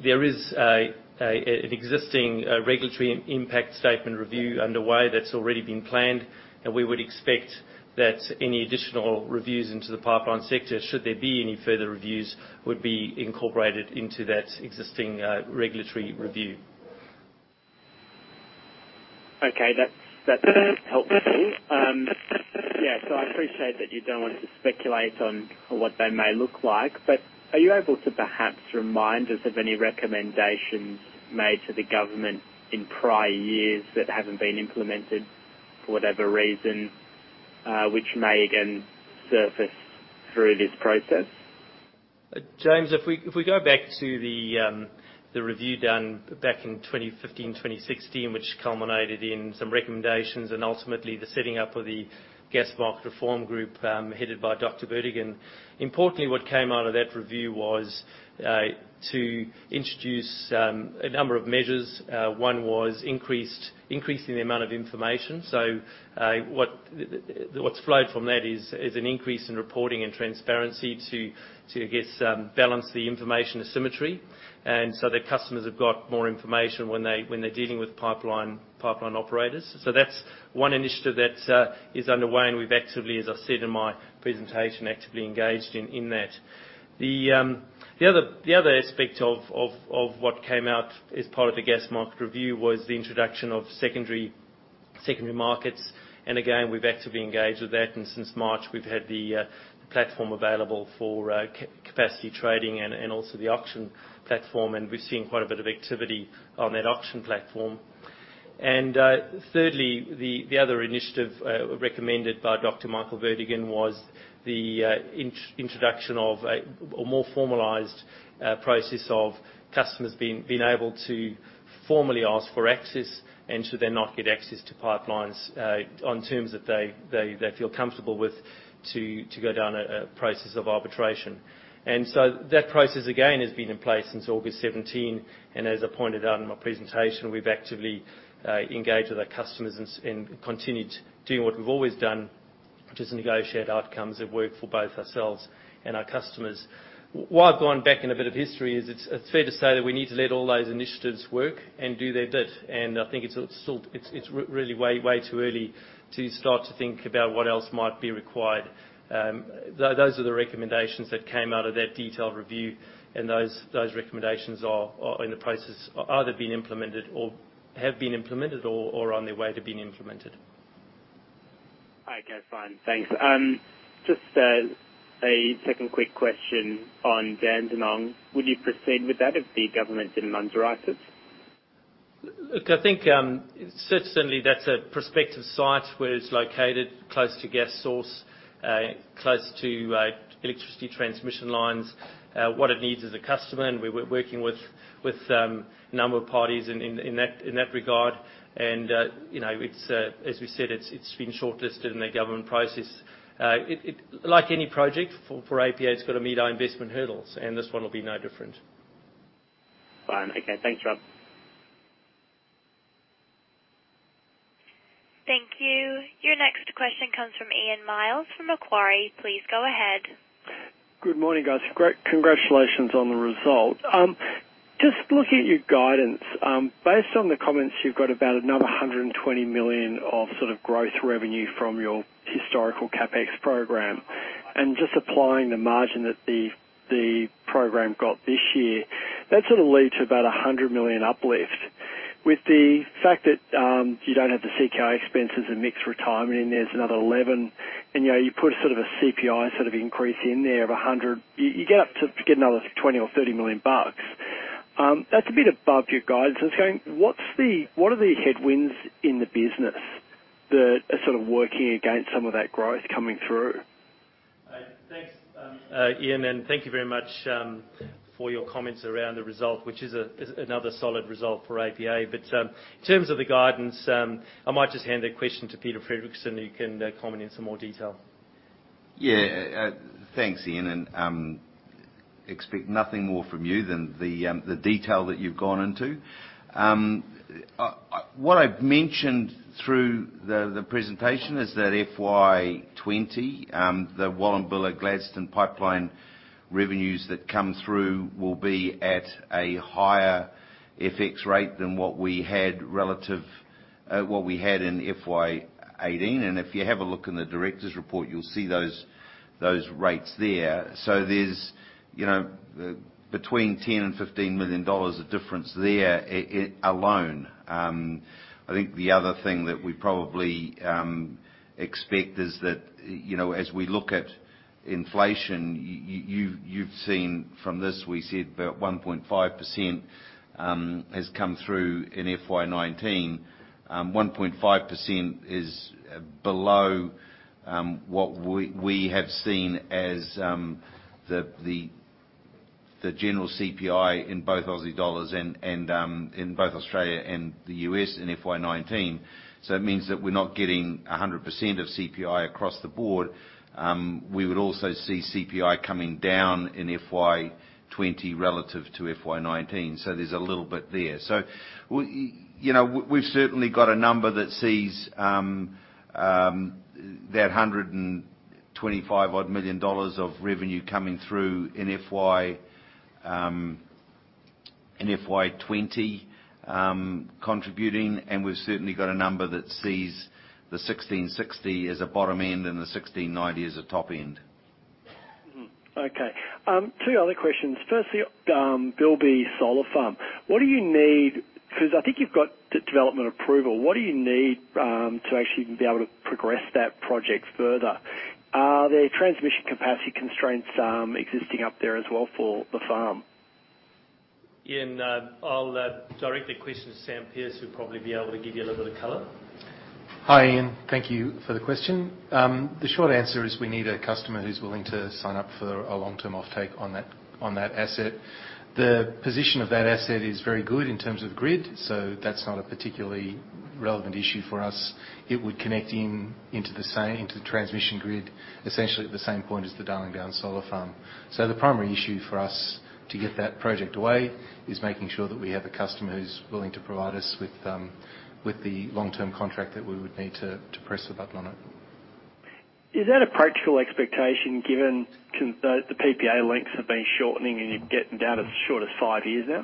there is an existing regulatory impact statement review underway that's already been planned, we would expect that any additional reviews into the pipeline sector, should there be any further reviews, would be incorporated into that existing regulatory review. Okay. That's helpful. Yeah. I appreciate that you don't want to speculate on what they may look like, but are you able to perhaps remind us of any recommendations made to the government in prior years that haven't been implemented, for whatever reason, which may again surface through this process? James, if we go back to the review done back in 2015, 2016, which culminated in some recommendations and ultimately the setting up of the Gas Market Reform Group, headed by Michael Vertigan. Importantly, what came out of that review was to introduce a number of measures. One was increasing the amount of information. What's flowed from that is an increase in reporting and transparency to, I guess, balance the information asymmetry. The customers have got more information when they're dealing with pipeline operators. That's one initiative that is underway, and we've actively, as I said in my presentation, actively engaged in that. The other aspect of what came out as part of the gas market review was the introduction of secondary markets. Again, we've actively engaged with that, and since March, we've had the platform available for capacity trading and also the auction platform, and we've seen quite a bit of activity on that auction platform. Thirdly, the other initiative recommended by Dr. Michael Vertigan was the introduction of a more formalized process of customers being able to formally ask for access, and should they not get access to pipelines on terms that they feel comfortable with, to go down a process of arbitration. That process again has been in place since August 2017, and as I pointed out in my presentation, we've actively engaged with our customers and continued doing what we've always done, which is negotiate outcomes that work for both ourselves and our customers. Why I've gone back in a bit of history is it's fair to say that we need to let all those initiatives work and do their bit. I think it's really way too early to start to think about what else might be required. Those are the recommendations that came out of that detailed review, and those recommendations are in the process are either being implemented or have been implemented or are on their way to being implemented. Okay, fine. Thanks. Just a second quick question on Dandenong. Would you proceed with that if the government didn't underwrite it? Look, I think certainly that's a prospective site where it's located close to gas source, close to electricity transmission lines. What it needs is a customer, and we're working with number of parties in that regard. As we said, it's been shortlisted in the government process. Like any project for APA, it's got to meet our investment hurdles, and this one will be no different. Fine. Okay. Thanks, Rob. Thank you. Your next question comes from Ian Myles from Macquarie. Please go ahead. Good morning, guys. Congratulations on the result. Just looking at your guidance, based on the comments, you've got about another 120 million of sort of growth revenue from your historical CapEx program. Applying the margin that the program got this year, that sort of leads to about a 100 million uplift. With the fact that you don't have the CK expenses and Mick's retirement in, there's another 11, and you put a CPI increase in there of 100, you get up to another 20 million or 30 million bucks. That's a bit above your guidance. I was going, what are the headwinds in the business that are sort of working against some of that growth coming through? Thanks, Ian, and thank you very much for your comments around the result, which is another solid result for APA. In terms of the guidance, I might just hand that question to Peter Fredricson, who can comment in some more detail. Yeah. Thanks, Ian. Expect nothing more from you than the detail that you've gone into. What I've mentioned through the presentation is that FY 2020, the Wallumbilla Gladstone Pipeline. Revenues that come through will be at a higher FX rate than what we had in FY 2018. If you have a look in the Directors Report, you'll see those rates there. There's between 10 million-15 million dollars of difference there alone. I think the other thing that we probably expect is that, as we look at inflation, you've seen from this, we said about 1.5% has come through in FY 2019. 1.5% is below what we have seen as the general CPI in both AUD and in both Australia and the U.S. in FY 2019. It means that we're not getting 100% of CPI across the board. We would also see CPI coming down in FY 2020 relative to FY 2019. There's a little bit there. We've certainly got a number that sees that 125-odd million dollars of revenue coming through in FY 2020 contributing, and we've certainly got a number that sees the 1,660 as a bottom end and the 1,690 as a top end. Okay. Two other questions. Firstly, Beelbie Solar Farm. I think you've got the development approval, what do you need to actually be able to progress that project further? Are there transmission capacity constraints existing up there as well for the farm? Ian, I'll direct the question to Sam Pearce, who'll probably be able to give you a little bit of color. Hi, Ian. Thank you for the question. The short answer is we need a customer who's willing to sign up for a long-term offtake on that asset. The position of that asset is very good in terms of grid, so that's not a particularly relevant issue for us. It would connect into the transmission grid, essentially at the same point as the Darling Downs Solar Farm. The primary issue for us to get that project away is making sure that we have a customer who's willing to provide us with the long-term contract that we would need to press the button on it. Is that a practical expectation given the PPA lengths have been shortening and you're getting down as short as five years now?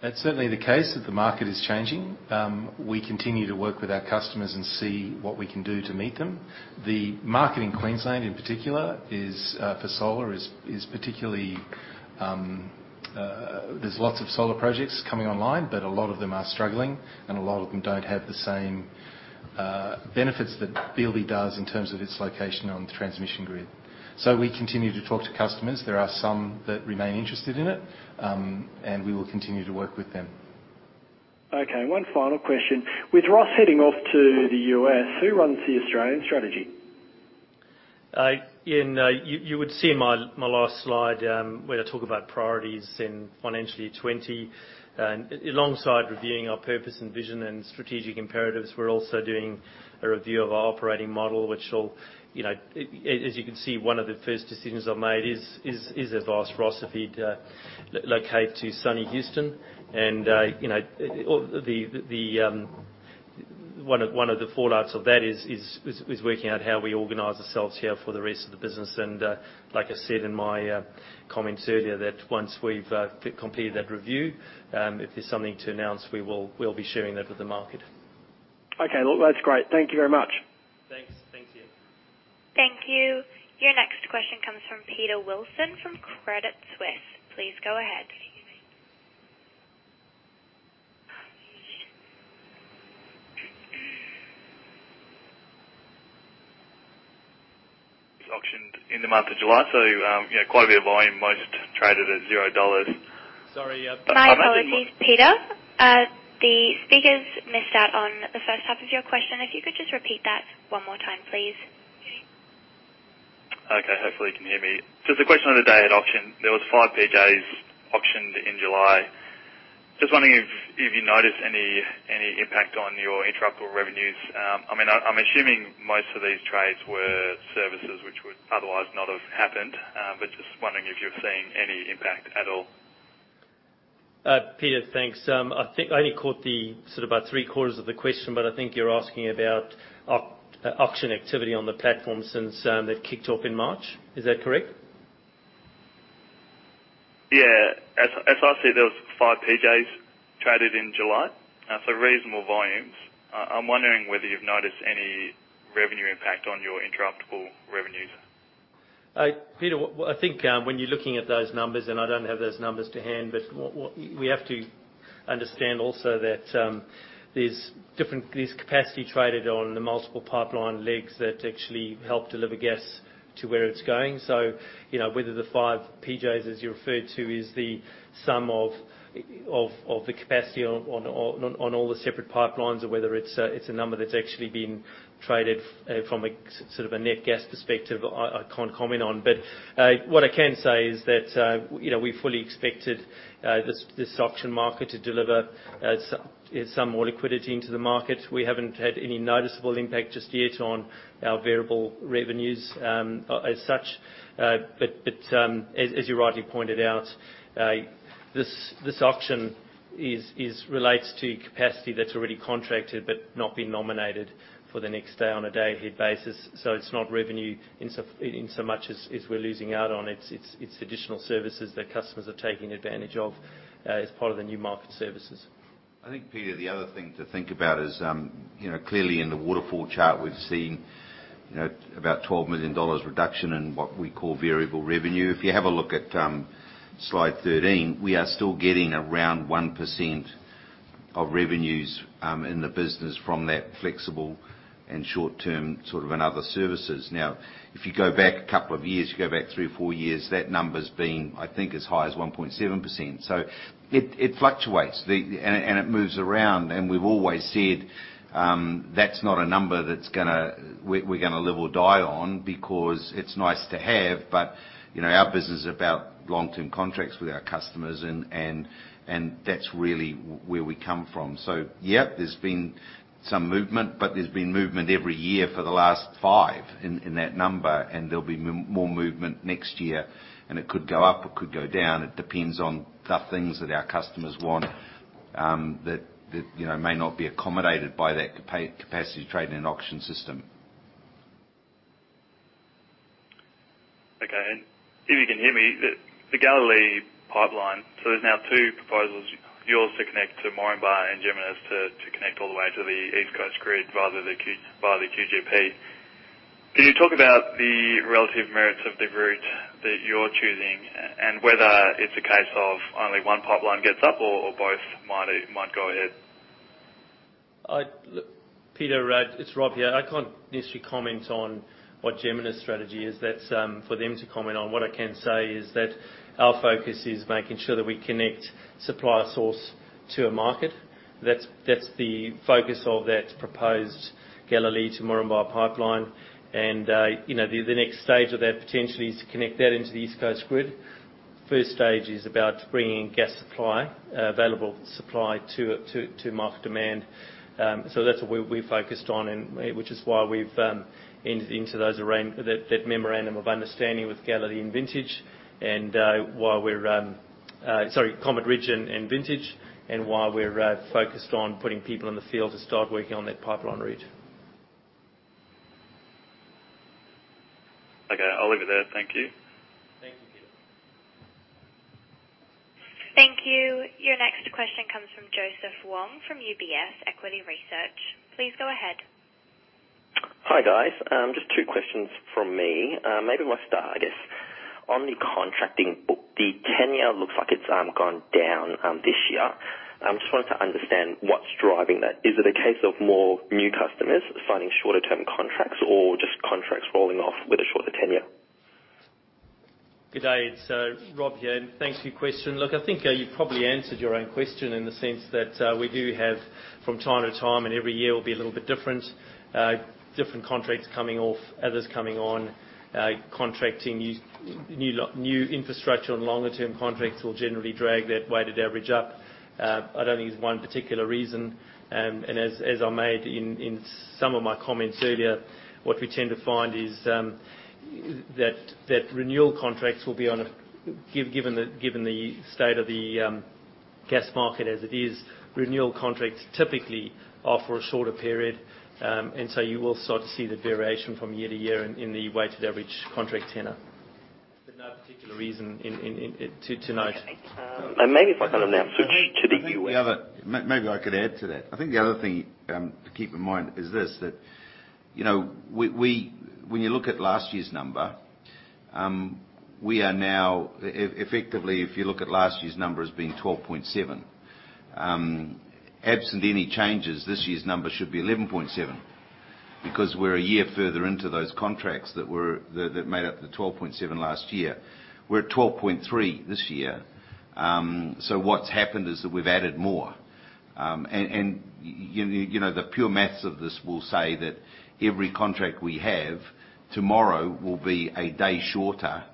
That's certainly the case, that the market is changing. We continue to work with our customers and see what we can do to meet them. The market in Queensland in particular, for solar, there's lots of solar projects coming online, but a lot of them are struggling and a lot of them don't have the same benefits that Beelbie does in terms of its location on the transmission grid. We continue to talk to customers. There are some that remain interested in it, and we will continue to work with them. Okay, one final question. With Ross heading off to the U.S., who runs the Australian strategy? Ian, you would see in my last slide, where I talk about priorities in financially 2020. Alongside reviewing our purpose and vision and strategic imperatives, we're also doing a review of our operating model. As you can see, one of the first decisions I've made is to have asked Ross if he'd locate to sunny Houston. One of the fallouts of that is working out how we organize ourselves here for the rest of the business. Like I said in my comments earlier, that once we've completed that review, if there's something to announce, we'll be sharing that with the market. Okay. Look, that's great. Thank you very much. Thanks. Thanks, Ian. Thank you. Your next question comes from Peter Wilson from Credit Suisse. Please go ahead. Auctioned in the month of July. Quite a bit of volume, most traded at 0 dollars. Sorry- My apologies, Peter. The speakers missed out on the first half of your question. If you could just repeat that one more time, please. Okay, hopefully you can hear me. Just a question on the day at auction, there was five petajoules auctioned in July. Just wondering if you noticed any impact on your interruptible revenues. I'm assuming most of these trades were services which would otherwise not have happened. Just wondering if you've seen any impact at all. Peter, thanks. I only caught about three-quarters of the question, but I think you're asking about auction activity on the platform since that kicked off in March. Is that correct? As I see, there was five petajoules traded in July, so reasonable volumes. I'm wondering whether you've noticed any revenue impact on your interruptible revenues. Peter, I think when you're looking at those numbers, and I don't have those numbers to hand, but we have to understand also that there's capacity traded on the multiple pipeline legs that actually help deliver gas to where it's going. Whether the 5 petajoules, as you referred to, is the sum of the capacity on all the separate pipelines or whether it's a number that's actually been traded from a net gas perspective, I can't comment on. What I can say is that, we fully expected this auction market to deliver some more liquidity into the market. We haven't had any noticeable impact just yet on our variable revenues as such. As you rightly pointed out, this auction relates to capacity that's already contracted but not been nominated for the next day on a day-ahead basis. It's not revenue in so much as we're losing out on, it's additional services that customers are taking advantage of as part of the new market services. I think, Peter, the other thing to think about is, clearly in the waterfall chart, we're seeing about 12 million dollars reduction in what we call variable revenue. If you have a look at slide 13, we are still getting around 1% of revenues in the business from that flexible and short-term other services. If you go back a couple of years, you go back three or four years, that number's been, I think, as high as 1.7%. It fluctuates, and it moves around, and we've always said that's not a number that we're going to live or die on because it's nice to have, but our business is about long-term contracts with our customers, and that's really where we come from. Yeah, there's been some movement, but there's been movement every year for the last five in that number, and there'll be more movement next year, and it could go up, or it could go down. It depends on the things that our customers want that may not be accommodated by that Capacity Trading and Auction System. Okay. If you can hear me, the Galilee Pipeline, so there's now two proposals, yours to connect to Moranbah and Jemena's to connect all the way to the East Coast Gas Grid via the QGP. Can you talk about the relative merits of the route that you're choosing and whether it's a case of only one pipeline gets up or both might go ahead? Peter, it's Rob here. I can't necessarily comment on what Jemena's strategy is. That's for them to comment on. What I can say is that our focus is making sure that we connect supply source to a market. That's the focus of that proposed Galilee Moranbah Pipeline, and the next stage of that potentially is to connect that into the East Coast grid. First stage is about bringing gas supply, available supply to market demand. That's what we're focused on, which is why we've entered into that memorandum of understanding with Galilee and Vintage, sorry, Comet Ridge and Vintage, and why we're focused on putting people in the field to start working on that pipeline route. Okay. I'll leave it there. Thank you. Thank you, Peter. Thank you. Your next question comes from Joseph Wong from UBS Equity Research. Please go ahead. Hi, guys. Just two questions from me. Maybe we'll start, I guess, on the contracting book. The tenure looks like it's gone down this year. Just wanted to understand what's driving that. Is it a case of more new customers signing shorter-term contracts, or just contracts rolling off with a shorter tenure? Good day. It's Rob here, and thanks for your question. Look, I think you probably answered your own question in the sense that we do have, from time to time, and every year will be a little bit different contracts coming off, others coming on. Contracting new infrastructure on longer-term contracts will generally drag that weighted average up. I don't think there's one particular reason, and as I made in some of my comments earlier, what we tend to find is that renewal contracts will be on a, given the state of the gas market as it is, renewal contracts typically are for a shorter period. You will start to see the variation from year to year in the weighted average contract tenure. No particular reason to note. Okay. maybe if I can now switch to the U.S. Maybe I could add to that. I think the other thing to keep in mind is this, that when you look at last year's number, we are now effectively, if you look at last year's number as being 12.7, absent any changes, this year's number should be 11.7 because we're a year further into those contracts that made up the 12.7 last year. We're at 12.3 this year. What's happened is that we've added more. The pure math of this will say that every contract we have tomorrow will be a day shorter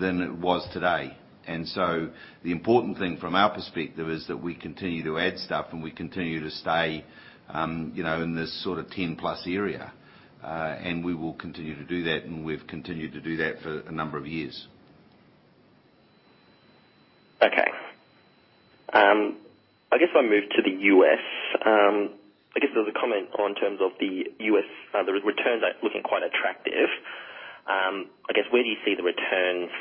than it was today. The important thing from our perspective is that we continue to add stuff, and we continue to stay in this sort of 10-plus area. We will continue to do that, and we've continued to do that for a number of years. Okay. I guess if I move to the U.S. I guess there was a comment on terms of the U.S., the returns are looking quite attractive. I guess, where do you see the returns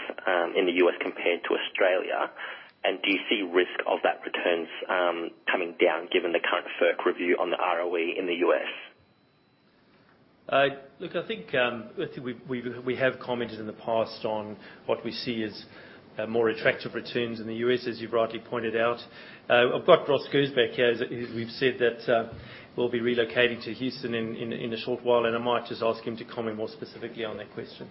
in the U.S. compared to Australia, and do you see risk of that returns coming down given the current FERC review on the ROE in the U.S.? I think we have commented in the past on what we see as more attractive returns in the U.S., as you've rightly pointed out. I've got Ross Gersbach here. We've said that we'll be relocating to Houston in a short while, and I might just ask him to comment more specifically on that question.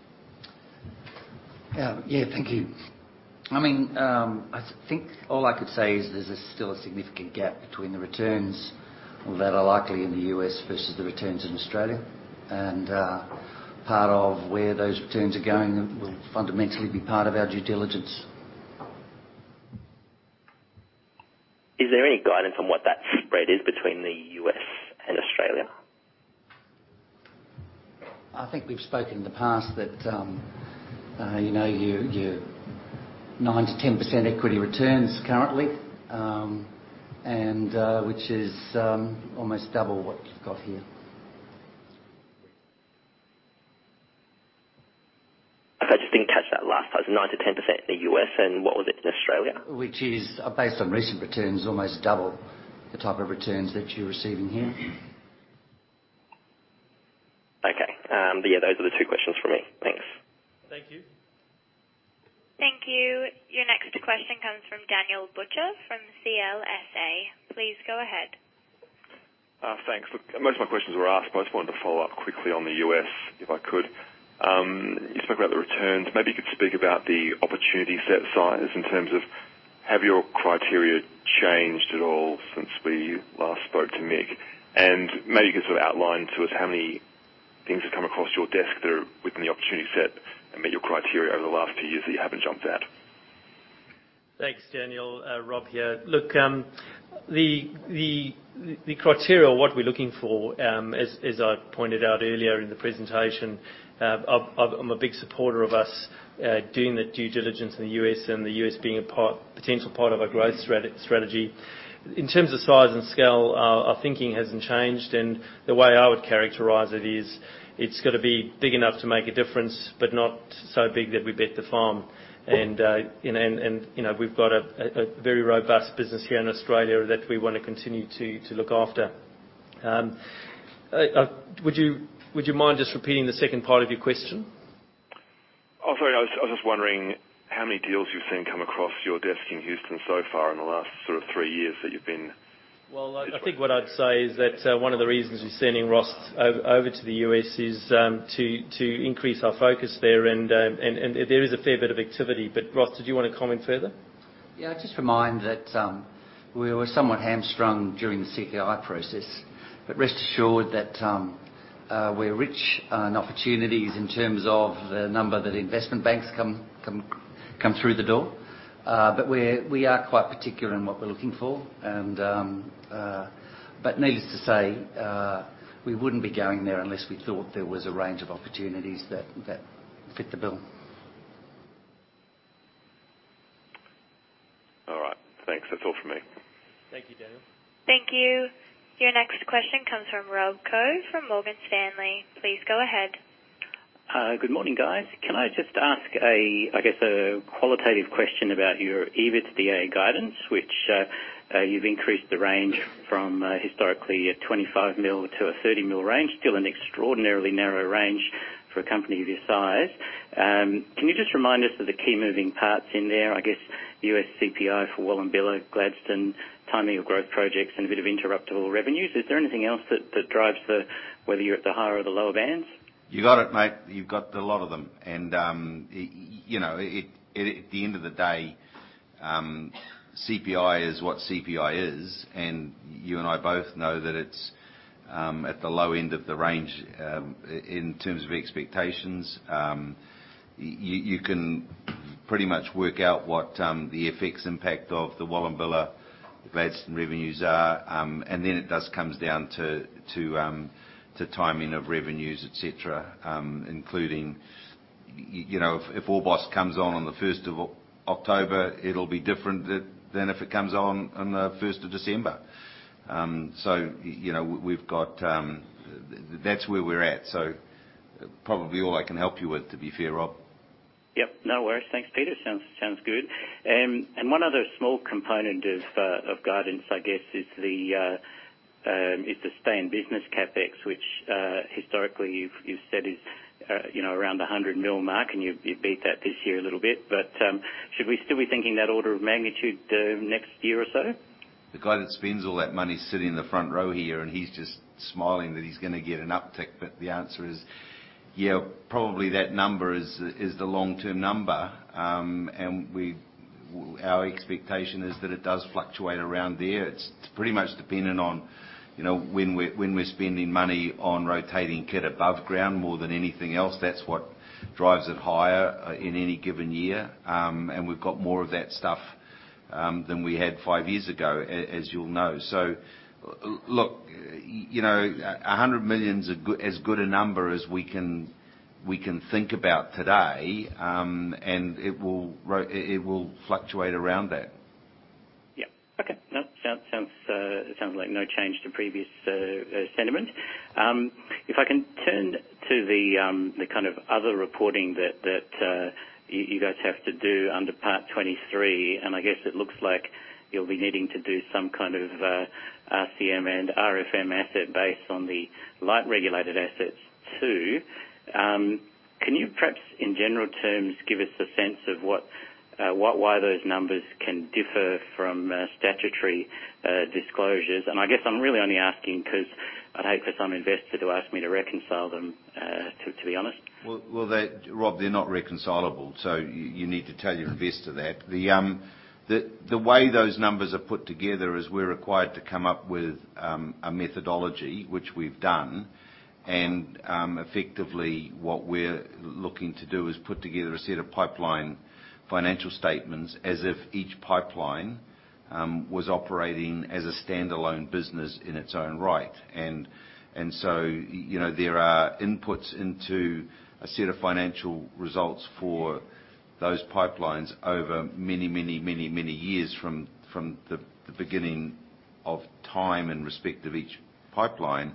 Yeah. Thank you. I think all I could say is there's still a significant gap between the returns that are likely in the U.S. versus the returns in Australia. Part of where those returns are going will fundamentally be part of our due diligence. Is there any guidance on what that spread is between the U.S. and Australia? I think we've spoken in the past that your 9%-10% equity returns currently, which is almost double what you've got here. Last time, it was 9%-10% in the U.S., and what was it in Australia? Which is based on recent returns, almost double the type of returns that you're receiving here. Okay. Those are the two questions from me. Thanks. Thank you. Thank you. Your next question comes from Daniel Butcher from CLSA. Please go ahead. Thanks. Look, most of my questions were asked, but I just wanted to follow up quickly on the U.S., if I could. You spoke about the returns. Maybe you could speak about the opportunity set size in terms of have your criteria changed at all since we last spoke to Mick? Maybe you could outline to us how many things have come across your desk that are within the opportunity set and meet your criteria over the last two years that you haven't jumped at. Thanks, Daniel. Rob here. Look, the criteria, what we're looking for, as I pointed out earlier in the presentation, I'm a big supporter of us doing the due diligence in the U.S. and the U.S. being a potential part of our growth strategy. In terms of size and scale, our thinking hasn't changed, and the way I would characterize it is, it's got to be big enough to make a difference, but not so big that we bet the farm. We've got a very robust business here in Australia that we want to continue to look after. Would you mind just repeating the second part of your question? Oh, sorry. I was just wondering how many deals you've seen come across your desk in Houston so far in the last three years that you've been? I think what I'd say is that one of the reasons we're sending Ross over to the U.S. is to increase our focus there. There is a fair bit of activity. Ross, did you want to comment further? Just remind that we were somewhat hamstrung during the CPI process. Rest assured that we're rich in opportunities in terms of the number that investment banks come through the door. We are quite particular in what we're looking for. Needless to say, we wouldn't be going there unless we thought there was a range of opportunities that fit the bill. All right. Thanks. That's all from me. Thank you, Daniel. Thank you. Your next question comes from Rob Koh from Morgan Stanley. Please go ahead. Good morning, guys. Can I just ask, I guess, a qualitative question about your EBITDA guidance, which you've increased the range from historically 25 million to an 30 million range, still an extraordinarily narrow range for a company of your size. Can you just remind us of the key moving parts in there? I guess U.S. CPI for Wallumbilla, Gladstone, timing of growth projects, and a bit of interruptible revenues. Is there anything else that drives whether you're at the higher or the lower bands? You got it, mate. You've got the lot of them. At the end of the day, CPI is what CPI is, and you and I both know that it's at the low end of the range in terms of expectations. You can pretty much work out what the effects impact of the Wallumbilla, the Gladstone revenues are. Then it does comes down to timing of revenues, et cetera, including if Orbost comes on the 1st of October, it'll be different than if it comes on the 1st of December. That's where we're at. Probably all I can help you with, to be fair, Rob. Yep, no worries. Thanks, Peter. Sounds good. One other small component of guidance, I guess, is the stay in business CapEx, which historically you've said is around the 100 mil mark, and you beat that this year a little bit. Should we still be thinking that order of magnitude next year or so? The guy that spends all that money is sitting in the front row here, he's just smiling that he's gonna get an uptick, the answer is yeah, probably that number is the long-term number. Our expectation is that it does fluctuate around there. It's pretty much dependent on when we're spending money on rotating kit above ground more than anything else. That's what drives it higher in any given year. We've got more of that stuff than we had five years ago, as you'll know. Look, 100 million is as good a number as we can think about today, it will fluctuate around that. Yep. Okay. Sounds like no change to previous sentiment. If I can turn to the other reporting that you guys have to do under Part 23, I guess it looks like you'll be needing to do some kind of RCM and RFM asset base on the light regulated assets too. Can you perhaps, in general terms, give us a sense of why those numbers can differ from statutory disclosures? I guess I'm really only asking because I'd hate for some investor to ask me to reconcile them, to be honest. Rob, they're not reconcilable, you need to tell your investor that. The way those numbers are put together is we're required to come up with a methodology, which we've done. Effectively what we're looking to do is put together a set of pipeline financial statements as if each pipeline was operating as a standalone business in its own right. There are inputs into a set of financial results for those pipelines over many, many years from the beginning of time in respect of each pipeline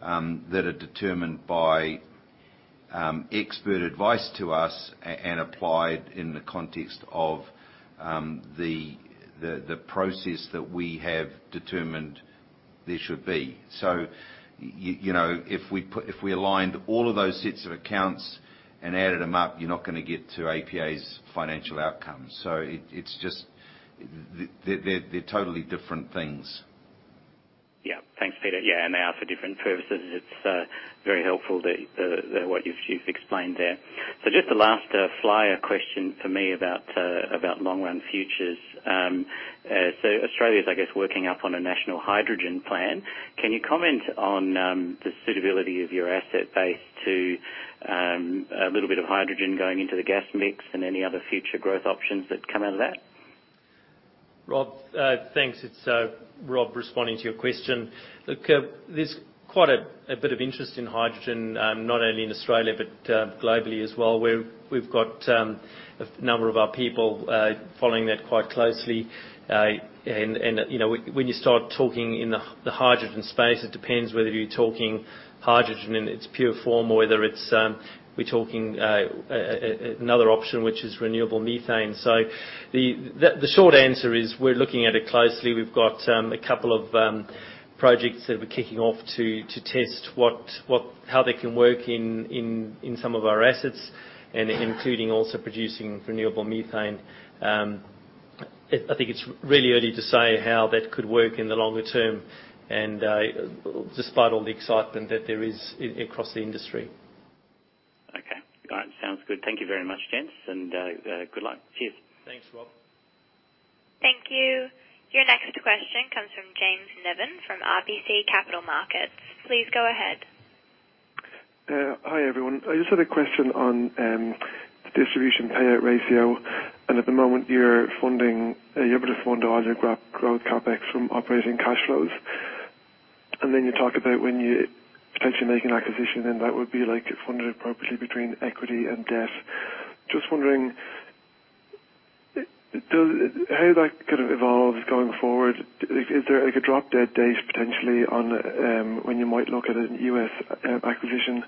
that are determined by expert advice to us and applied in the context of the process that we have determined there should be. If we aligned all of those sets of accounts and added them up, you're not going to get to APA's financial outcomes. They're totally different things. Thanks, Peter. They are for different purposes. It's very helpful what you've explained there. Just a last final question for me about long-run futures. Australia is, I guess, working up on a national hydrogen plan. Can you comment on the suitability of your asset base to a little bit of hydrogen going into the gas mix and any other future growth options that come out of that? Rob, thanks. It's Rob responding to your question. Look, there's quite a bit of interest in hydrogen, not only in Australia but globally as well. We've got a number of our people following that quite closely. When you start talking in the hydrogen space, it depends whether you're talking hydrogen in its pure form or whether we're talking another option, which is renewable methane. The short answer is we're looking at it closely. We've got a couple of projects that we're kicking off to test how they can work in some of our assets and including also producing renewable methane. I think it's really early to say how that could work in the longer term and despite all the excitement that there is across the industry. Okay. All right. Sounds good. Thank you very much, gents, and good luck. Cheers. Thanks, Rob. Thank you. Your next question comes from James Niven from RBC Capital Markets. Please go ahead. Hi, everyone. I just had a question on the distribution payout ratio. At the moment, you're able to fund all your growth CapEx from operating cash flows. Then you talk about when you potentially make an acquisition, and that would be like funded appropriately between equity and debt. Just wondering, how that could evolve going forward. Is there like a drop-dead date potentially on when you might look at a U.S. acquisition?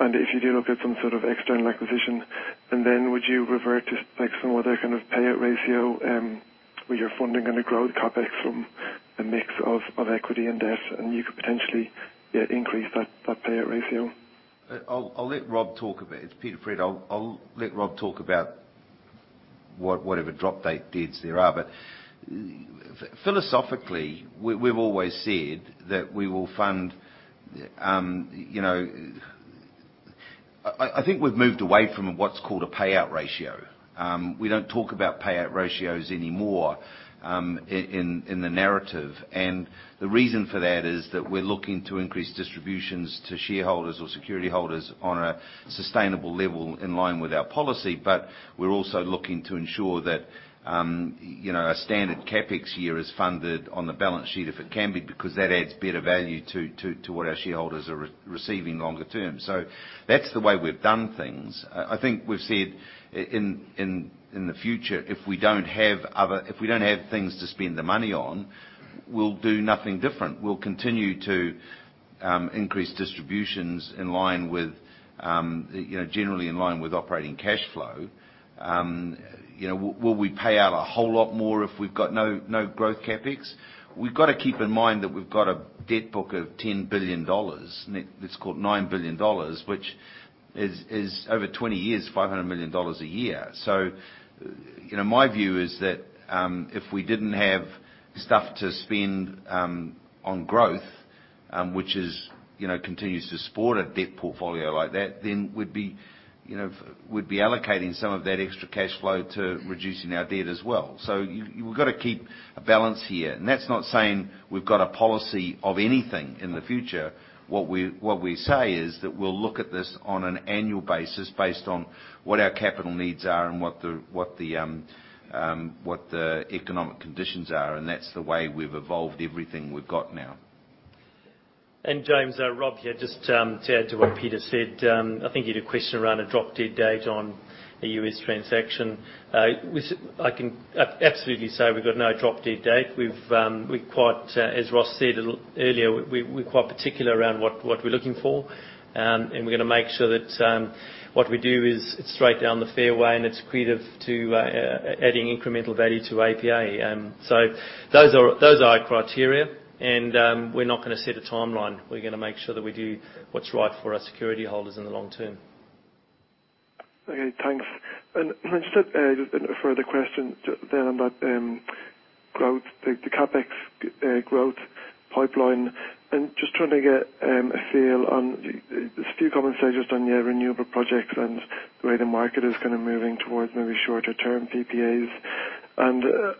If you do look at some sort of external acquisition, and then would you revert to some other kind of payout ratio where you're funding the growth CapEx from a mix of equity and debt, and you could potentially increase that payout ratio? It's Peter, Fred. I'll let Rob talk about whatever drop-dead dates there are. Philosophically, we've always said that we will fund. I think we've moved away from what's called a payout ratio. We don't talk about payout ratios anymore in the narrative. The reason for that is that we're looking to increase distributions to shareholders or security holders on a sustainable level in line with our policy. We're also looking to ensure that a standard CapEx year is funded on the balance sheet if it can be, because that adds better value to what our shareholders are receiving longer term. That's the way we've done things. I think we've said in the future, if we don't have things to spend the money on, we'll do nothing different. We'll continue to increase distributions generally in line with operating cash flow. Will we pay out a whole lot more if we've got no growth CapEx? We've got to keep in mind that we've got a debt book of 10 billion dollars. Net, let's call it 9 billion dollars, which is over 20 years, 500 million dollars a year. My view is that if we didn't have stuff to spend on growth, which continues to support a debt portfolio like that, then we'd be allocating some of that extra cash flow to reducing our debt as well. You've got to keep a balance here. That's not saying we've got a policy of anything in the future. What we say is that we'll look at this on an annual basis based on what our capital needs are and what the economic conditions are, and that's the way we've evolved everything we've got now. James, Rob here. Just to add to what Peter said, I think you had a question around a drop-dead date on a U.S. transaction. I can absolutely say we've got no drop-dead date. As Ross said a little earlier, we're quite particular around what we're looking for. We're going to make sure that what we do is straight down the fairway and it's accretive to adding incremental value to APA. Those are our criteria, and we're not going to set a timeline. We're going to make sure that we do what's right for our security holders in the long term. Okay, thanks. Just a further question there on that growth, the CapEx growth pipeline, and just trying to get a feel on a few conversations on your renewable projects and the way the market is kind of moving towards maybe shorter-term PPAs. How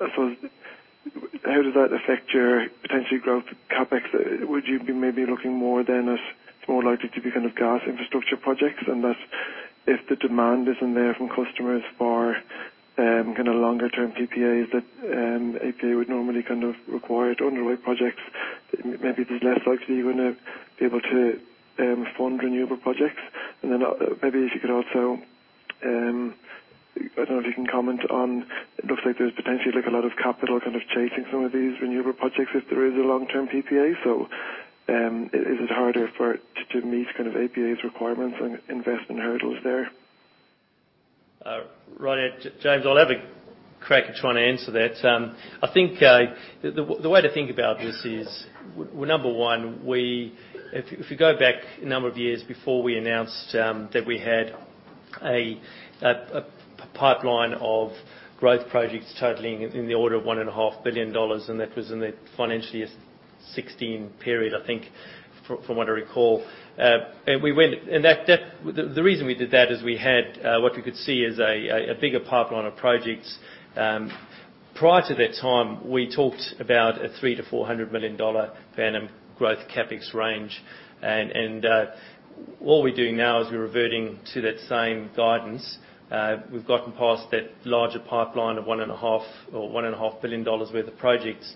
does that affect your potential growth CapEx? Would you be maybe looking more then as more likely to be kind of gas infrastructure projects, and thus if the demand isn't there from customers for longer-term PPAs that APA would normally require to underwrite projects? Maybe there's less likely you're going to be able to fund renewable projects? Maybe if you could also, I don't know if you can comment on, it looks like there's potentially a lot of capital kind of chasing some of these renewable projects if there is a long-term PPA? Is it harder to meet APA's requirements and investment hurdles there? Right. James, I'll have a crack at trying to answer that. The way to think about this is, number one, if we go back a number of years before we announced that we had a pipeline of growth projects totaling in the order of 1.5 billion dollars. That was in the FY 2016 period, I think, from what I recall. The reason we did that is we had what we could see as a bigger pipeline of projects. Prior to that time, we talked about a 3 to 400 million dollar per annum growth CapEx range. What we're doing now is we're reverting to that same guidance. We've gotten past that larger pipeline of 1.5 billion dollars worth of projects.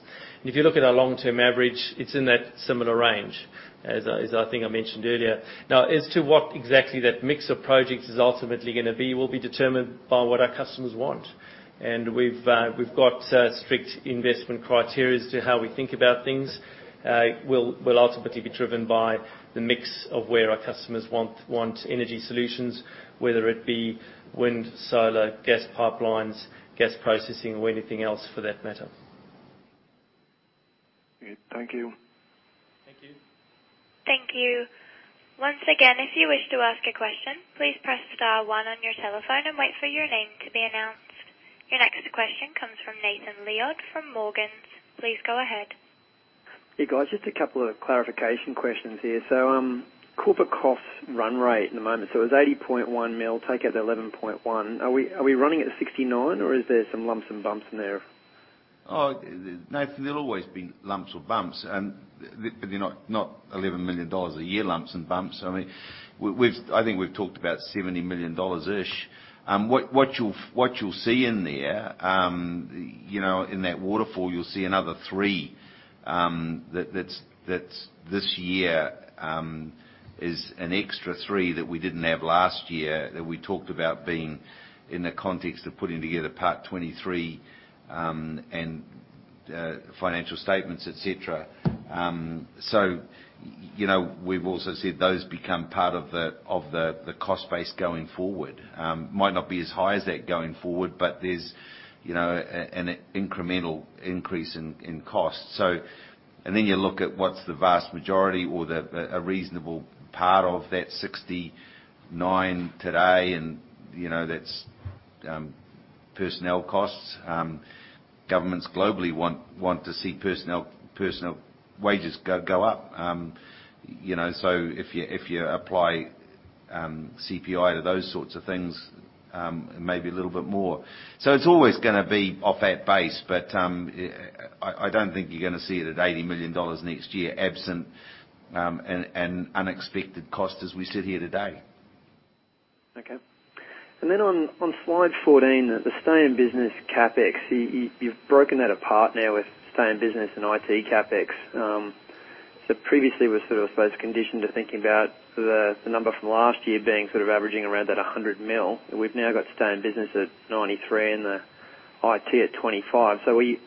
If you look at our long-term average, it's in that similar range, as I think I mentioned earlier. As to what exactly that mix of projects is ultimately going to be, will be determined by what our customers want. We've got strict investment criteria as to how we think about things. We'll ultimately be driven by the mix of where our customers want energy solutions, whether it be wind, solar, gas pipelines, gas processing, or anything else for that matter. Okay. Thank you. Thank you. Thank you. Once again, if you wish to ask a question, please press star one on your telephone and wait for your name to be announced. Your next question comes from Nathan Lead from Morgans. Please go ahead. Hey, guys. Just a couple of clarification questions here. Corporate costs run rate at the moment. It was 80.1 million, take out the 11.1 million. Are we running at 69 million or is there some lumps and bumps in there? Nathan, there'll always be lumps or bumps, they're not 11 million dollars a year lumps and bumps. I think we've talked about 70 million dollars-ish. What you'll see in there, in that waterfall, you'll see another three that this year is an extra three that we didn't have last year that we talked about being in the context of putting together Part 23, and financial statements, et cetera. We've also said those become part of the cost base going forward. Might not be as high as that going forward, there's an incremental increase in cost. You look at what's the vast majority or a reasonable part of that 69 today, and that's personnel costs. Governments globally want to see personal wages go up. If you apply CPI to those sorts of things, it may be a little bit more. It's always gonna be off that base, but I don't think you're gonna see it at 80 million dollars next year, absent an unexpected cost as we sit here today. On Slide 14, the stay in business CapEx, you've broken that apart now with stay in business and IT CapEx. Previously we were sort of, I suppose, conditioned to thinking about the number from last year being sort of averaging around that 100 million, and we've now got stay in business at 93 and the IT at 25. Are we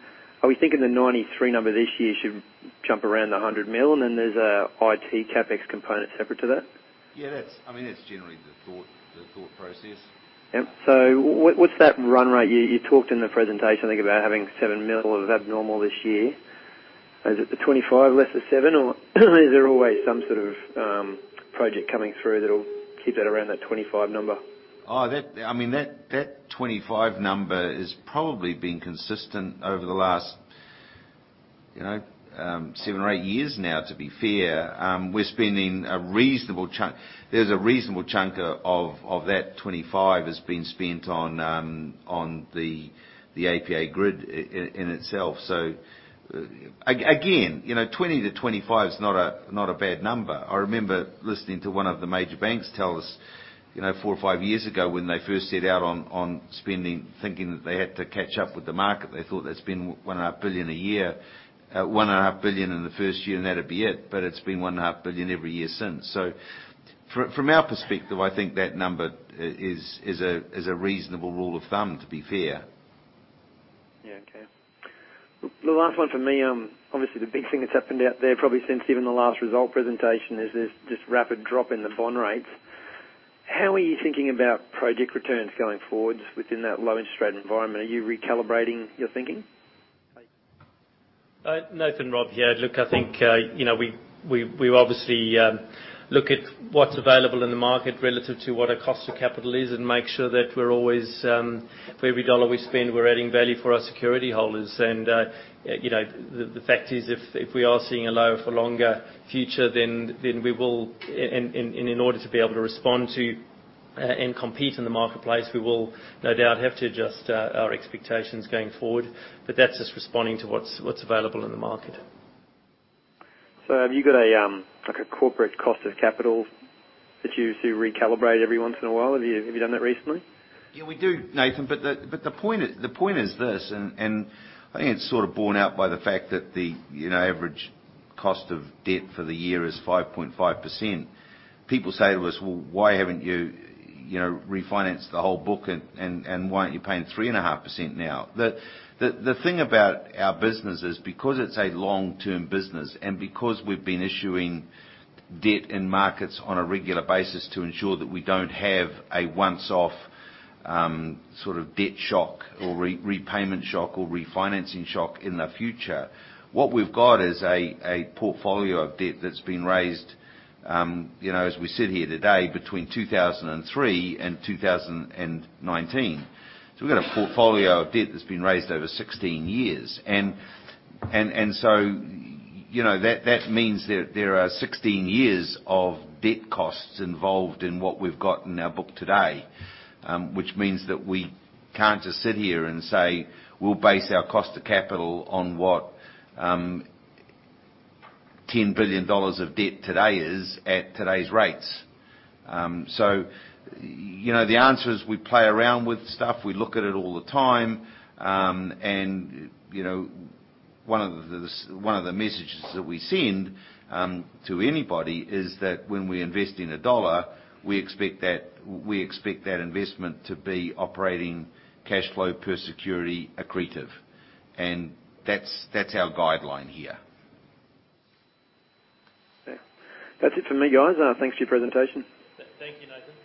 thinking the 93 number this year should jump around the 100 million and then there's a IT CapEx component separate to that? Yeah. That's generally the thought process. Yep. What's that run rate? You talked in the presentation, I think, about having 7 million of abnormal this year. Is it the 25 less the 7 or is there always some sort of project coming through that'll keep that around that 25 number? That 25 number has probably been consistent over the last seven or eight years now, to be fair. There's a reasonable chunk of that 25 has been spent on the APA grid in itself. Again, 20 to 25 is not a bad number. I remember listening to one of the major banks tell us four or five years ago when they first set out on spending, thinking that they had to catch up with the market. They thought that spending 1.5 billion a year, 1.5 billion in the first year, and that'd be it. It's been 1.5 billion every year since. From our perspective, I think that number is a reasonable rule of thumb, to be fair. Yeah. Okay. The last one from me. Obviously, the big thing that's happened out there, probably since even the last result presentation, is this just rapid drop in the bond rates. How are you thinking about project returns going forward within that low interest rate environment? Are you recalibrating your thinking? Nathan, Rob here. Look, I think, we obviously look at what's available in the market relative to what our cost of capital is and make sure that we're always, for every dollar we spend, we're adding value for our security holders. The fact is, if we are seeing a lower for longer future, then we will, in order to be able to respond to and compete in the marketplace, we will no doubt have to adjust our expectations going forward. That's just responding to what's available in the market. Have you got a corporate cost of capital that you've to recalibrate every once in a while? Have you done that recently? Yeah, we do, Nathan. The point is this, and I think it's sort of borne out by the fact that the average cost of debt for the year is 5.5%. People say to us, "Well, why haven't you refinanced the whole book, and why aren't you paying 3.5% now?" The thing about our business is because it's a long-term business and because we've been issuing debt in markets on a regular basis to ensure that we don't have a once-off sort of debt shock or repayment shock or refinancing shock in the future, what we've got is a portfolio of debt that's been raised, as we sit here today, between 2003 and 2019. We've got a portfolio of debt that's been raised over 16 years. That means that there are 16 years of debt costs involved in what we've got in our book today, which means that we can't just sit here and say, we'll base our cost of capital on what 10 billion dollars of debt today is at today's rates. The answer is we play around with stuff. We look at it all the time. One of the messages that we send to anybody is that when we invest in a dollar, we expect that investment to be operating cash flow per security accretive. That's our guideline here. Okay. That's it for me, guys. Thanks for your presentation. Thank you, Nathan.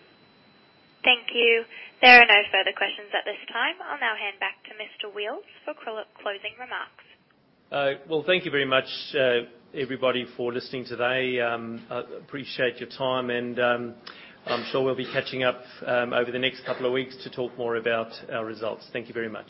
Thank you. There are no further questions at this time. I'll now hand back to Mr. Wheals for closing remarks. Well, thank you very much, everybody, for listening today. Appreciate your time and I'm sure we'll be catching up over the next couple of weeks to talk more about our results. Thank you very much.